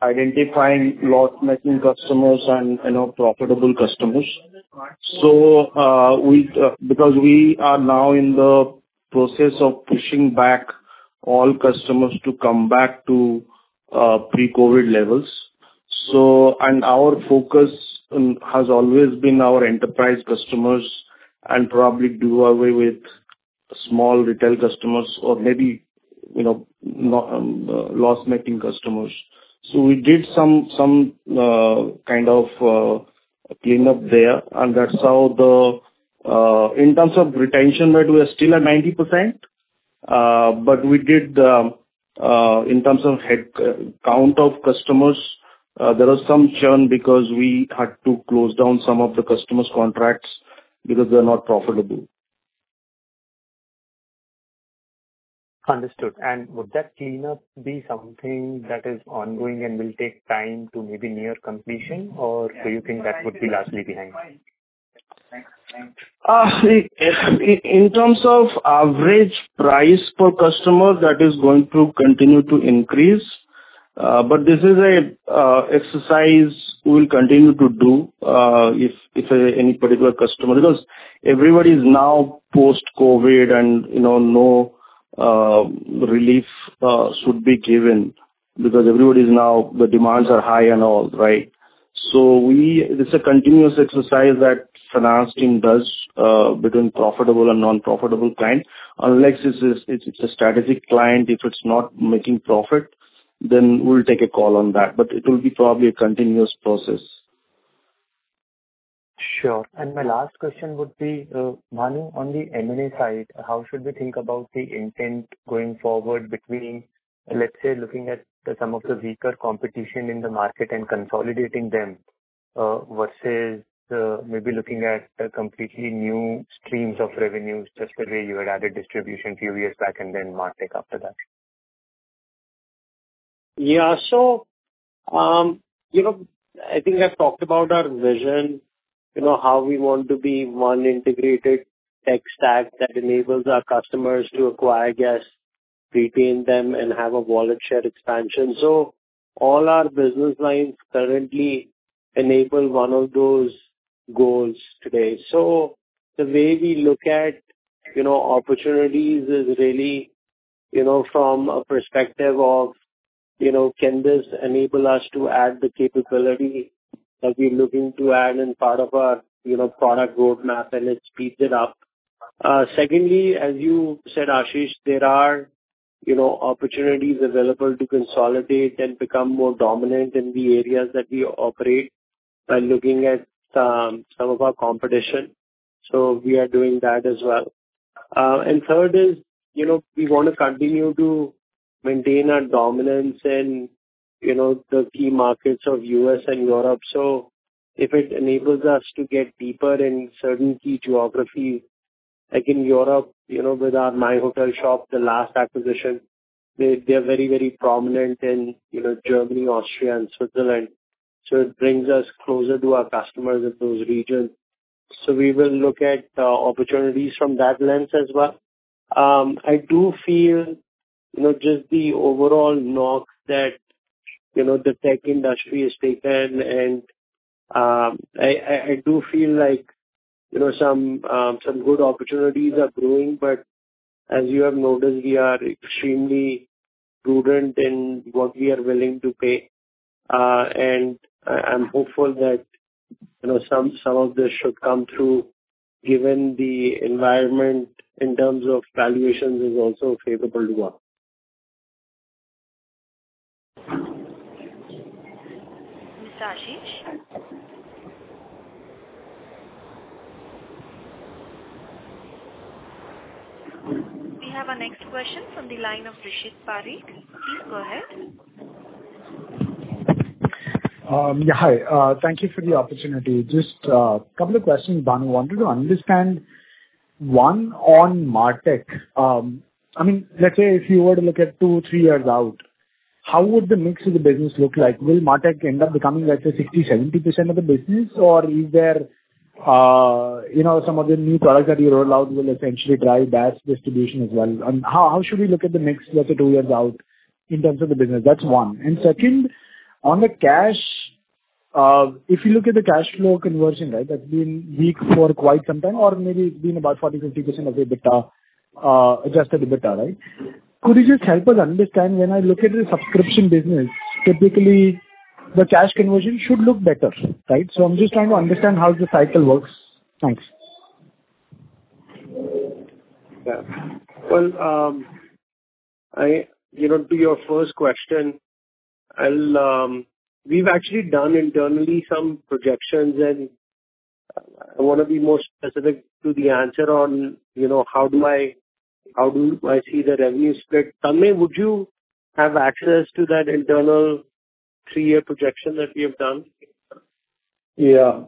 identifying loss-making customers and you know, profitable customers. Because we are now in the process of pushing back all customers to come back to pre-COVID levels. Our focus has always been our enterprise customers and probably do away with small retail customers or maybe, you know, loss-making customers. We did some kind of cleanup there, and that's how. In terms of retention rate, we are still at 90%. We did in terms of head count of customers, there was some churn because we had to close down some of the customers' contracts because they're not profitable. Understood. Would that cleanup be something that is ongoing and will take time to maybe near completion or do you think that would be largely behind you? In terms of average price per customer, that is going to continue to increase. This is a exercise we'll continue to do if any particular customer. Because everybody is now post-COVID and you know no relief should be given because everybody is now the demands are high and all, right? This is a continuous exercise that finance team does between profitable and non-profitable client. Unless it's a strategic client, if it's not making profit, then we'll take a call on that, but it will be probably a continuous process. Sure. My last question would be, Bhanu, on the M&A side, how should we think about the intent going forward between, let's say, looking at some of the weaker competition in the market and consolidating them, versus, maybe looking at completely new streams of revenues, just the way you had added distribution a few years back and then MarTech after that? I think I've talked about our vision, you know, how we want to be one integrated tech stack that enables our customers to acquire guests, retain them, and have a wallet share expansion. All our business lines currently enable one of those goals today. The way we look at, you know, opportunities is really, you know, from a perspective of, you know, can this enable us to add the capability that we're looking to add in part of our, you know, product roadmap, and it speeds it up. Secondly, as you said, Ashish, there are, you know, opportunities available to consolidate and become more dominant in the areas that we operate by looking at some of our competition. We are doing that as well. Third is, you know, we wanna continue to maintain our dominance in, you know, the key markets of U.S. and Europe. If it enables us to get deeper in certain key geography, like in Europe, you know, with our myhotelshop, the last acquisition, they're very, very prominent in, you know, Germany, Austria and Switzerland. It brings us closer to our customers in those regions. We will look at opportunities from that lens as well. I do feel, you know, just the overall knocks that, you know, the tech industry has taken and I do feel like, you know, some good opportunities are brewing, but as you have noticed, we are extremely prudent in what we are willing to pay. I'm hopeful that, you know, some of this should come through given the environment in terms of valuations is also favorable to us. Mr. Ashish? We have our next question from the line of Rishit Parikh. Please go ahead. Yeah. Hi. Thank you for the opportunity. Just a couple of questions, Bhanu. I wanted to understand one, on MarTech. I mean, let's say if you were to look at two to three years out, how would the mix of the business look like? Will MarTech end up becoming, let's say, 60%-70% of the business? Or is there, you know, some of the new products that you roll out will essentially drive that distribution as well? How should we look at the mix, let's say two years out in terms of the business? That's one. Second, on the cash, if you look at the cash flow conversion, right, that's been weak for quite some time or maybe been about 40%-50% of the EBITDA, adjusted EBITDA, right? Could you just help us understand when I look at the subscription business, typically the cash conversion should look better, right? I'm just trying to understand how the cycle works. Thanks. Yeah. Well, you know, to your first question, we've actually done internally some projections, and I wanna be more specific to the answer on, you know, how do I see the revenue split. Tanmaya, would you have access to that internal three year projection that we have done? Yeah.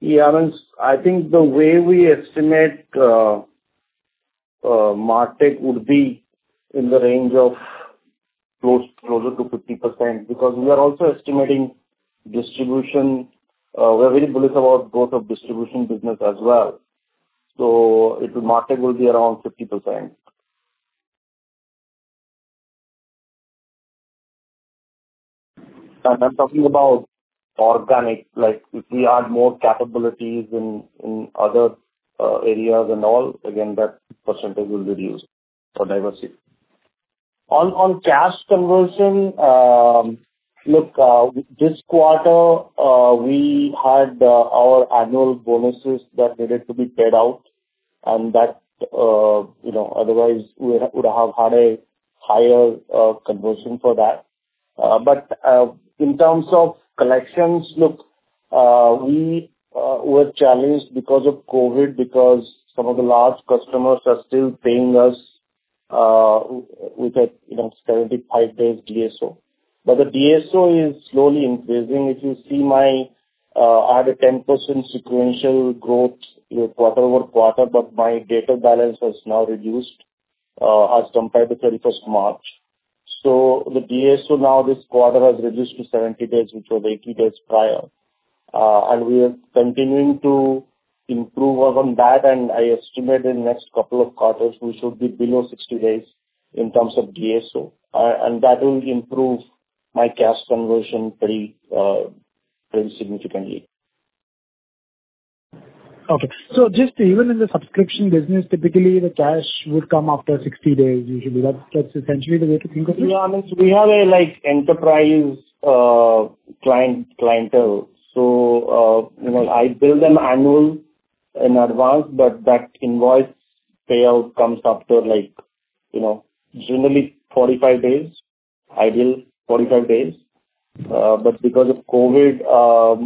I mean, I think the way we estimate, MarTech would be in the range of closer to 50%, because we are also estimating distribution. We are very bullish about growth of distribution business as well. It will. MarTech will be around 50%. And I'm talking about organic. Like, if we add more capabilities in other areas and all, again, that percentage will reduce for diversity. On cash conversion, look, this quarter we had our annual bonuses that needed to be paid out and that, you know, otherwise we would have had a higher conversion for that. In terms of collections, look, we were challenged because of COVID because some of the large customers are still paying us with a 75 days DSO. The DSO is slowly decreasing. If you see, I had a 10% sequential growth, you know, quarter-over-quarter, but my debtor balance has now reduced as compared to 31st March. The DSO now this quarter has reduced to 70 days, which was 80 days prior. We are continuing to improve upon that, and I estimate in next couple of quarters we should be below 60 days in terms of DSO. That will improve my cash conversion pretty significantly. Okay. Just even in the subscription business, typically the cash would come after 60 days usually. That's essentially the way to think of it? Yeah. I mean, we have a, like, enterprise client clientele, so, you know, I bill them annual in advance, but that invoice payout comes after like, you know, generally 45 days. Ideal 45 days. Because of COVID,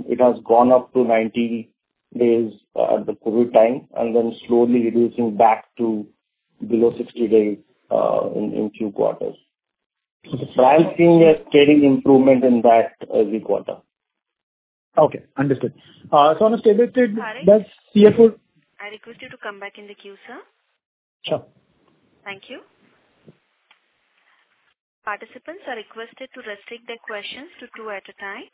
it has gone up to 90 days at the COVID time, and then slowly reducing back to below 60 days in two quarters. Okay. I'm seeing a steady improvement in that every quarter. Okay. Understood. On a stable state, that's CFO- Parikh, I request you to come back in the queue, sir. Sure. Thank you. Participants are requested to restrict their questions to two at a time.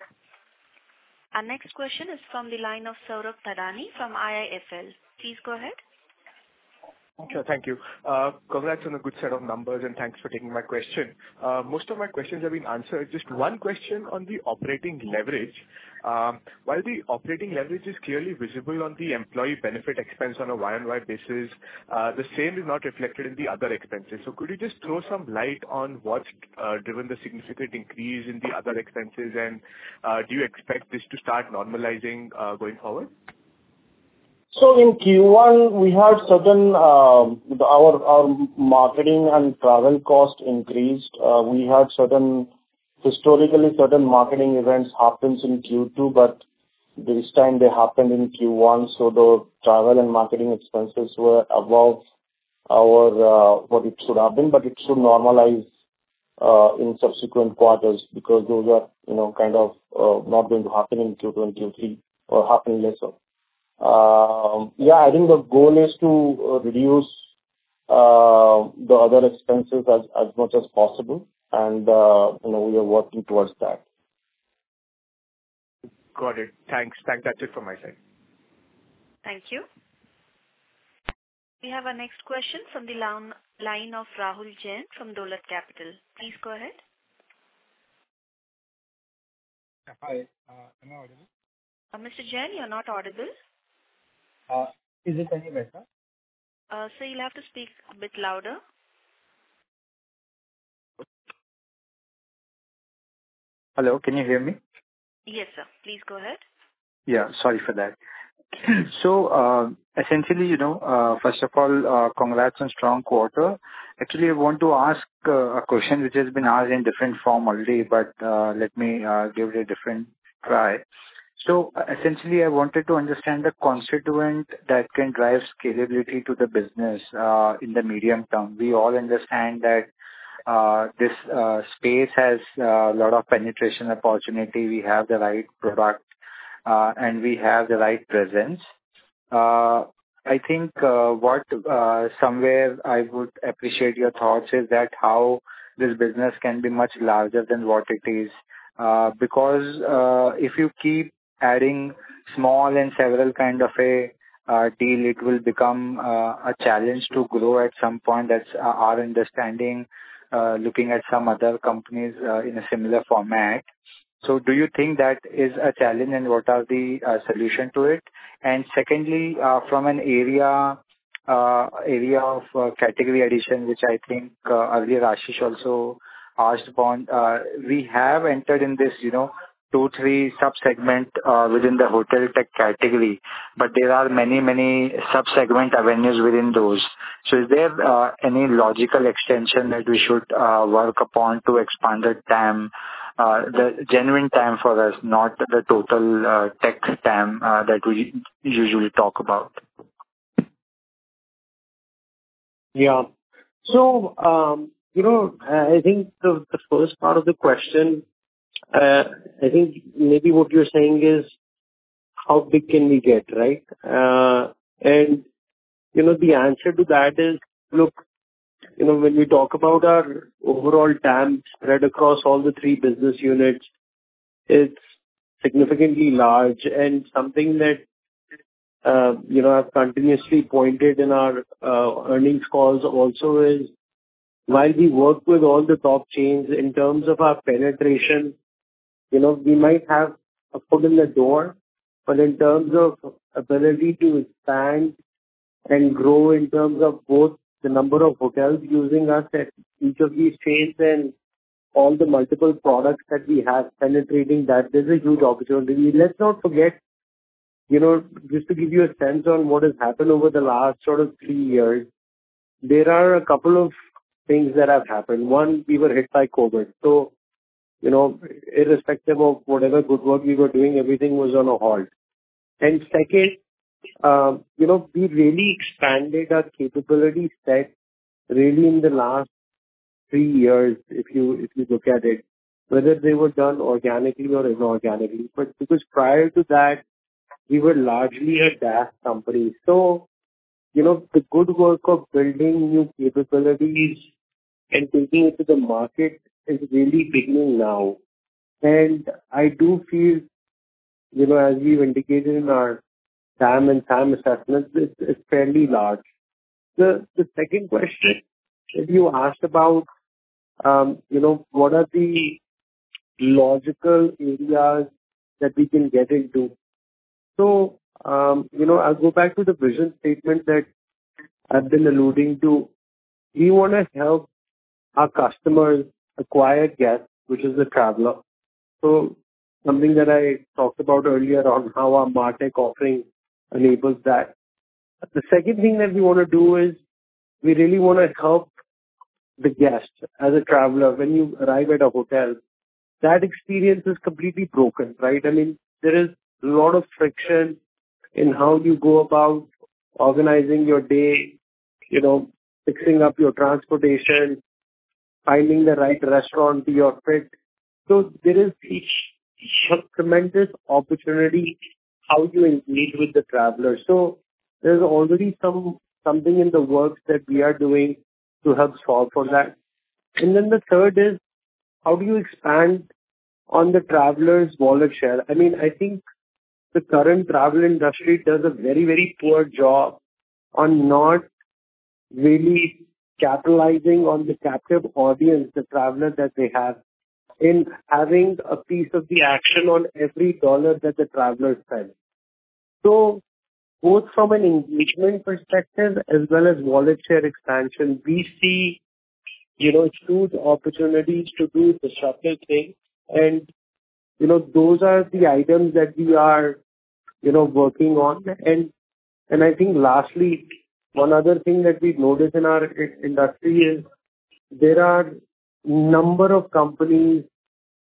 Our next question is from the line of Saurabh Thadani from IIFL. Please go ahead. Okay. Thank you. Congrats on the good set of numbers, and thanks for taking my question. Most of my questions have been answered. Just one question on the operating leverage. While the operating leverage is clearly visible on the employee benefit expense on a Y-on-Y basis, the same is not reflected in the other expenses. Could you just throw some light on what driven the significant increase in the other expenses? and do you expect this to start normalizing, going forward? In Q1 our marketing and travel costs increased. Historically certain marketing events happens in Q2, but this time they happened in Q1, so the travel and marketing expenses were above what it should have been. It should normalize in subsequent quarters because those are, you know, kind of, not going to happen in Q2 and Q3 or happen lesser. Yeah, I think the goal is to reduce the other expenses as much as possible and you know, we are working towards that. Got it. Thanks. That's it from my side. Thank you. We have our next question from the line of Rahul Jain from Dolat Capital. Please go ahead. Hi. Am I audible? Mr. Jain, you're not audible. Is it any better? Sir, you'll have to speak a bit louder. Hello, can you hear me? Yes, sir. Please go ahead. Yeah, sorry for that. Essentially, you know, first of all, congrats on strong quarter. Actually, I want to ask a question which has been asked in different form already, but let me give it a different try. Essentially, I wanted to understand the constituent that can drive scalability to the business in the medium term. We all understand that this space has lot of penetration opportunity. We have the right product and we have the right presence. I think what somewhere I would appreciate your thoughts is that how this business can be much larger than what it is. Because if you keep adding small and several kind of a deal, it will become a challenge to grow at some point. That's our understanding, looking at some other companies, in a similar format. Do you think that is a challenge and what are the solution to it? Secondly, from an area of category addition, which I think, earlier Ashish also asked about. We have entered in this, you know, two, three sub-segment, within the hotel tech category, but there are many, many sub-segment avenues within those. Is there any logical extension that we should work upon to expand the TAM? The genuine TAM for us, not the total tech TAM, that we usually talk about. Yeah. You know, I think the first part of the question, I think maybe what you're saying is how big can we get, right? You know, the answer to that is, look, you know, when we talk about our overall TAM spread across all the three business units, it's significantly large. Something that, you know, I've continuously pointed in our earnings calls also is, while we work with all the top chains in terms of our penetration, you know, we might have a foot in the door, but in terms of ability to expand and grow in terms of both the number of hotels using us at each of these chains and all the multiple products that we have penetrating that, there's a huge opportunity. Let's not forget, you know, just to give you a sense on what has happened over the last sort of three years, there are a couple of things that have happened. One, we were hit by COVID, so, you know, irrespective of whatever good work we were doing, everything was on a halt. Second, you know, we really expanded our capability set really in the last three years, if you look at it, whether they were done organically or inorganically. Because prior to that, we were largely a DaaS company. You know, the good work of building new capabilities and taking it to the market is really beginning now. I do feel, you know, as we've indicated in our TAM and TAM assessments, it's fairly large. The second question that you asked about, you know, what are the logical areas that we can get into. You know, I'll go back to the vision statement that I've been alluding to. We wanna help our customers acquire guests, which is the traveler. Something that I talked about earlier on how our MarTech offering enables that. The second thing that we wanna do is, we really wanna help the guests. As a traveler, when you arrive at a hotel, that experience is completely broken, right? I mean, there is a lot of friction in how you go about organizing your day, you know, fixing up your transportation, finding the right restaurant to your fit. There is a tremendous opportunity how you engage with the traveler. There's already something in the works that we are doing to help solve for that. Then the third is, how do you expand on the traveler's wallet share? I mean, I think the current travel industry does a very, very poor job on not really capitalizing on the captive audience, the travelers that they have, in having a piece of the action on every dollar that the travelers spend. Both from an engagement perspective as well as wallet share expansion, we see, you know, huge opportunities to do disruptive things. You know, those are the items that we are, you know, working on. I think lastly, one other thing that we've noticed in our industry is there are number of companies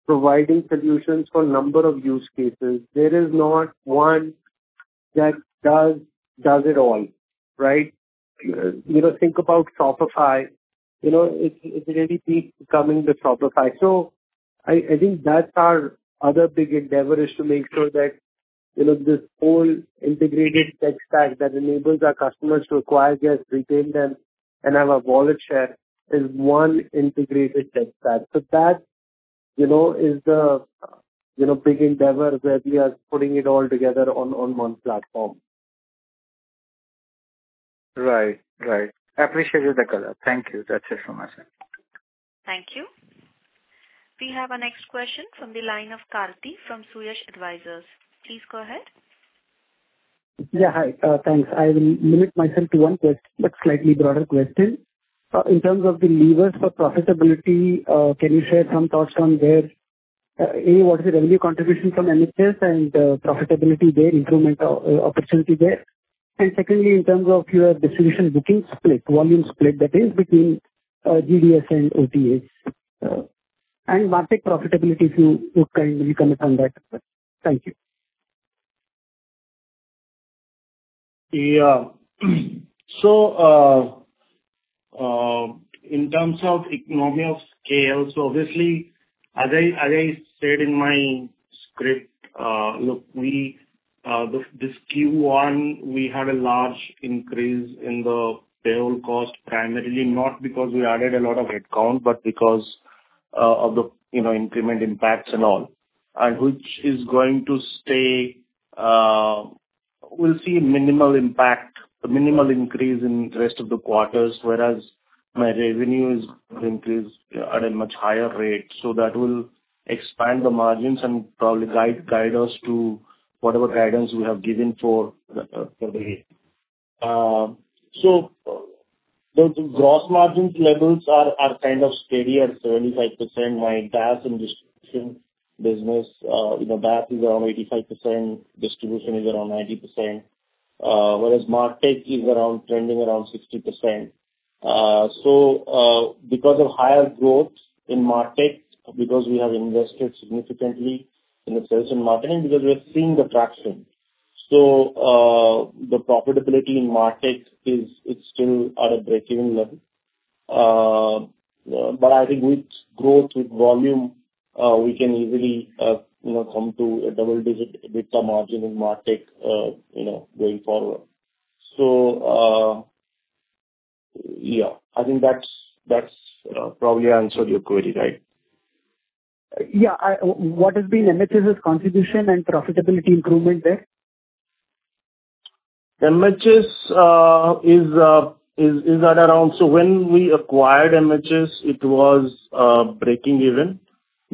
providing solutions for number of use cases. There is not one that does it all, right? You know, think about Shopify. You know, is really becoming the Shopify? I think that's our other big endeavor, is to make sure that, you know, this whole integrated tech stack that enables our customers to acquire guests, retain them, and have a wallet share, is one integrated tech stack. That, you know, is the, you know, big endeavor where we are putting it all together on one platform. Right. Right. Appreciate you, Bhanu. Thank you. That's it from my side. Thank you. We have our next question from the line of Karthi from Suyash Advisors. Please go ahead. Yeah. Hi, thanks. I will limit myself to one slightly broader question. In terms of the levers for profitability, can you share some thoughts on there and what is the revenue contribution from MHS and profitability there, improvement opportunity there? And secondly, in terms of your direct booking split, volume split that is between GDS and OTAs. And MarTech profitability, if you would kindly comment on that. Thank you. Yeah. In terms of economy of scale, obviously, as I said in my script, look, we, this Q1, we had a large increase in the payroll cost, primarily not because we added a lot of headcount, but because of the, you know, increment impacts and all, and which is going to stay. We'll see minimal impact, minimal increase in rest of the quarters, whereas my revenue is increased at a much higher rate. That will expand the margins and probably guide us to whatever guidance we have given for the year. The gross margins levels are kind of steady at 75%. My DaaS and distribution business, you know, DaaS is around 85%, distribution is around 90%, whereas MarTech is around, trending around 60%. Because of higher growth in MarTech, because we have invested significantly in the sales and marketing, because we are seeing the traction. The profitability in MarTech is. It's still at a breakeven level. I think with growth, with volume, we can easily, you know, come to a double-digit EBITDA margin in MarTech, you know, going forward. Yeah, I think that's probably answered your query, right? Yeah. What has been MHS' contribution and profitability improvement there? When we acquired MHS, it was breaking even.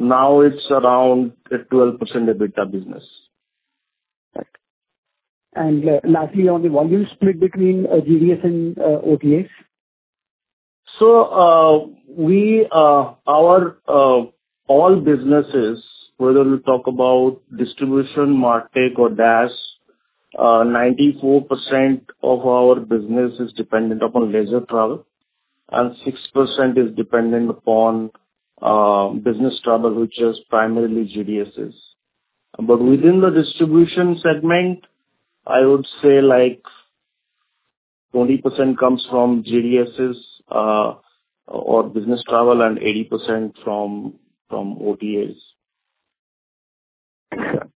Now it's around a 12% EBITDA business. Right. Lastly, on the volume split between GDS and OTAs. Our all businesses, whether we talk about distribution, MarTech or DaaS, 94% of our business is dependent upon leisure travel and 6% is dependent upon business travel, which is primarily GDSs. Within the distribution segment, I would say like 20% comes from GDSs or business travel and 80% from OTAs. Sure.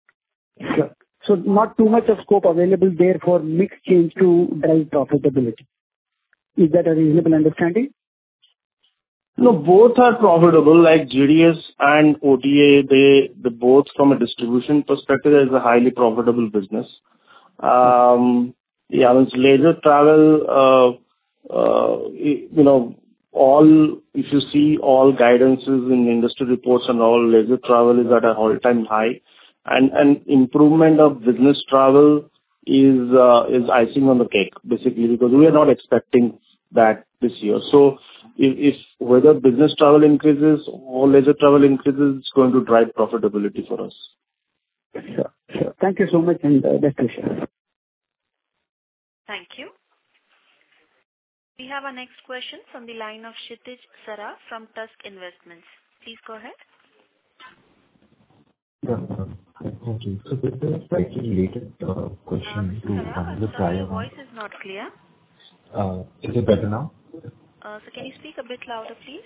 Sure. Not too much of scope available there for mix change to drive profitability. Is that a reasonable understanding? No, both are profitable. Like GDS and OTA, they both from a distribution perspective is a highly profitable business. Yeah, leisure travel, you know, all, if you see all guidances in industry reports and all, leisure travel is at an all-time high. Improvement of business travel is icing on the cake, basically, because we are not expecting that this year. If whether business travel increases or leisure travel increases, it's going to drive profitability for us. Sure. Sure. Thank you so much and best wishes. Thank you. We have our next question from the line of Kshitij Saraf from Tusk Investments. Please go ahead. Yeah. Thank you. This is slightly related, question to- Hello. Sorry, your voice is not clear. Is it better now? Sir, can you speak a bit louder, please?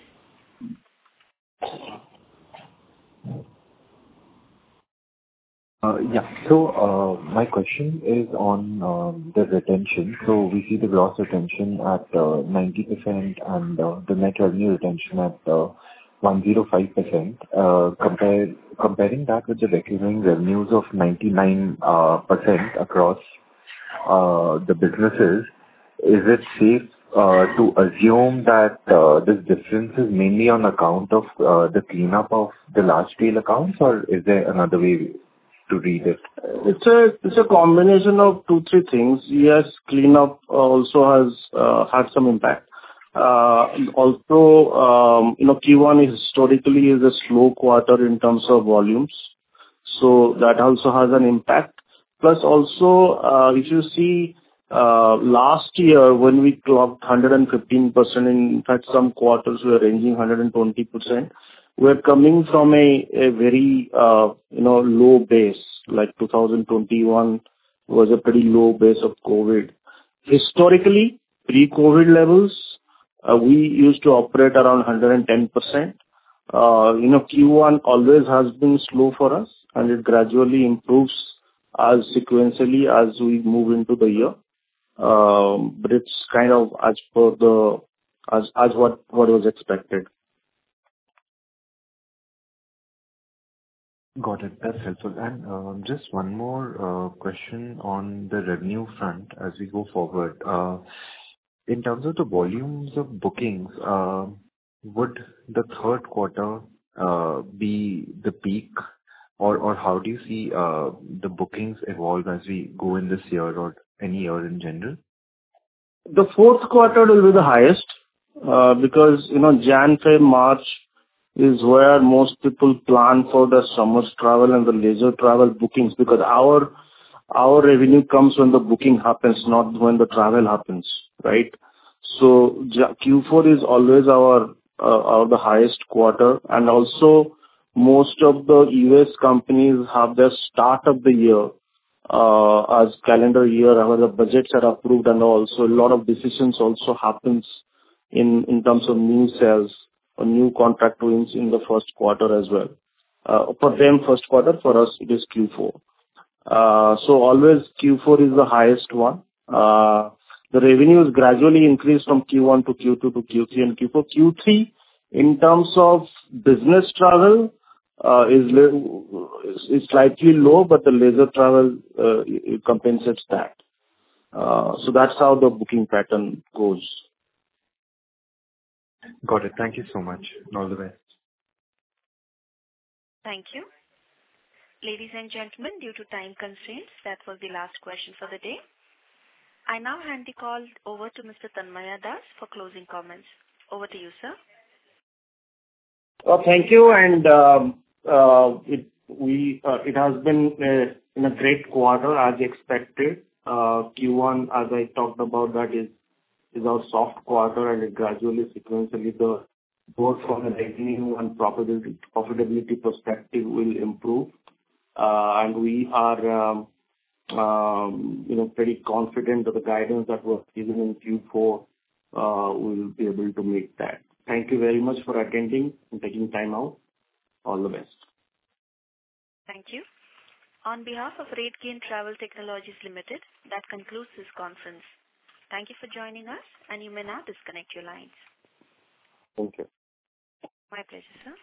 Yeah. My question is on the retention. We see the gross retention at 90% and the net revenue retention at 105%. Comparing that with the recurring revenues of 99% across the businesses, is it safe to assume that this difference is mainly on account of the cleanup of the large-scale accounts, or is there another way to read it? It's a combination of two, three things. Yes, cleanup also has had some impact. Also, you know, Q1 historically is a slow quarter in terms of volumes, so that also has an impact. Plus also, if you see, last year when we clocked 115%, in fact, some quarters were ranging 120%, we're coming from a very, you know, low base, like 2021 was a pretty low base of COVID. Historically, pre-COVID levels, we used to operate around 110%. You know, Q1 always has been slow for us and it gradually improves sequentially as we move into the year. But it's kind of as per what was expected. Got it. That's helpful. Just one more question on the revenue front as we go forward. In terms of the volumes of bookings, would the third quarter be the peak or how do you see the bookings evolve as we go in this year or any year in general? The fourth quarter will be the highest, because, you know, January, February, March is where most people plan for their summer travel and the leisure travel bookings because our revenue comes when the booking happens, not when the travel happens, right? Q4 is always our highest quarter and also most of the U.S. companies have their start of the year as calendar year where the budgets are approved and also a lot of decisions happens in terms of new sales or new contract wins in the first quarter as well. For them, first quarter, for us it is Q4. Always Q4 is the highest one. The revenues gradually increase from Q1 to Q2 to Q3 and Q4. Q3 in terms of business travel is slightly low, but the leisure travel compensates that. That's how the booking pattern goes. Got it. Thank you so much and all the best. Thank you. Ladies and gentlemen, due to time constraints, that was the last question for the day. I now hand the call over to Mr. Tanmaya Das for closing comments. Over to you, sir. Well, thank you and it has been a great quarter as expected. Q1 as I talked about that is our soft quarter and it gradually sequentially the growth from a revenue and profitability perspective will improve. We are, you know, pretty confident of the guidance that was given in Q4. We'll be able to make that. Thank you very much for attending and taking time out. All the best. Thank you. On behalf of RateGain Travel Technologies Limited, that concludes this conference. Thank you for joining us and you may now disconnect your lines. Thank you. My pleasure, sir.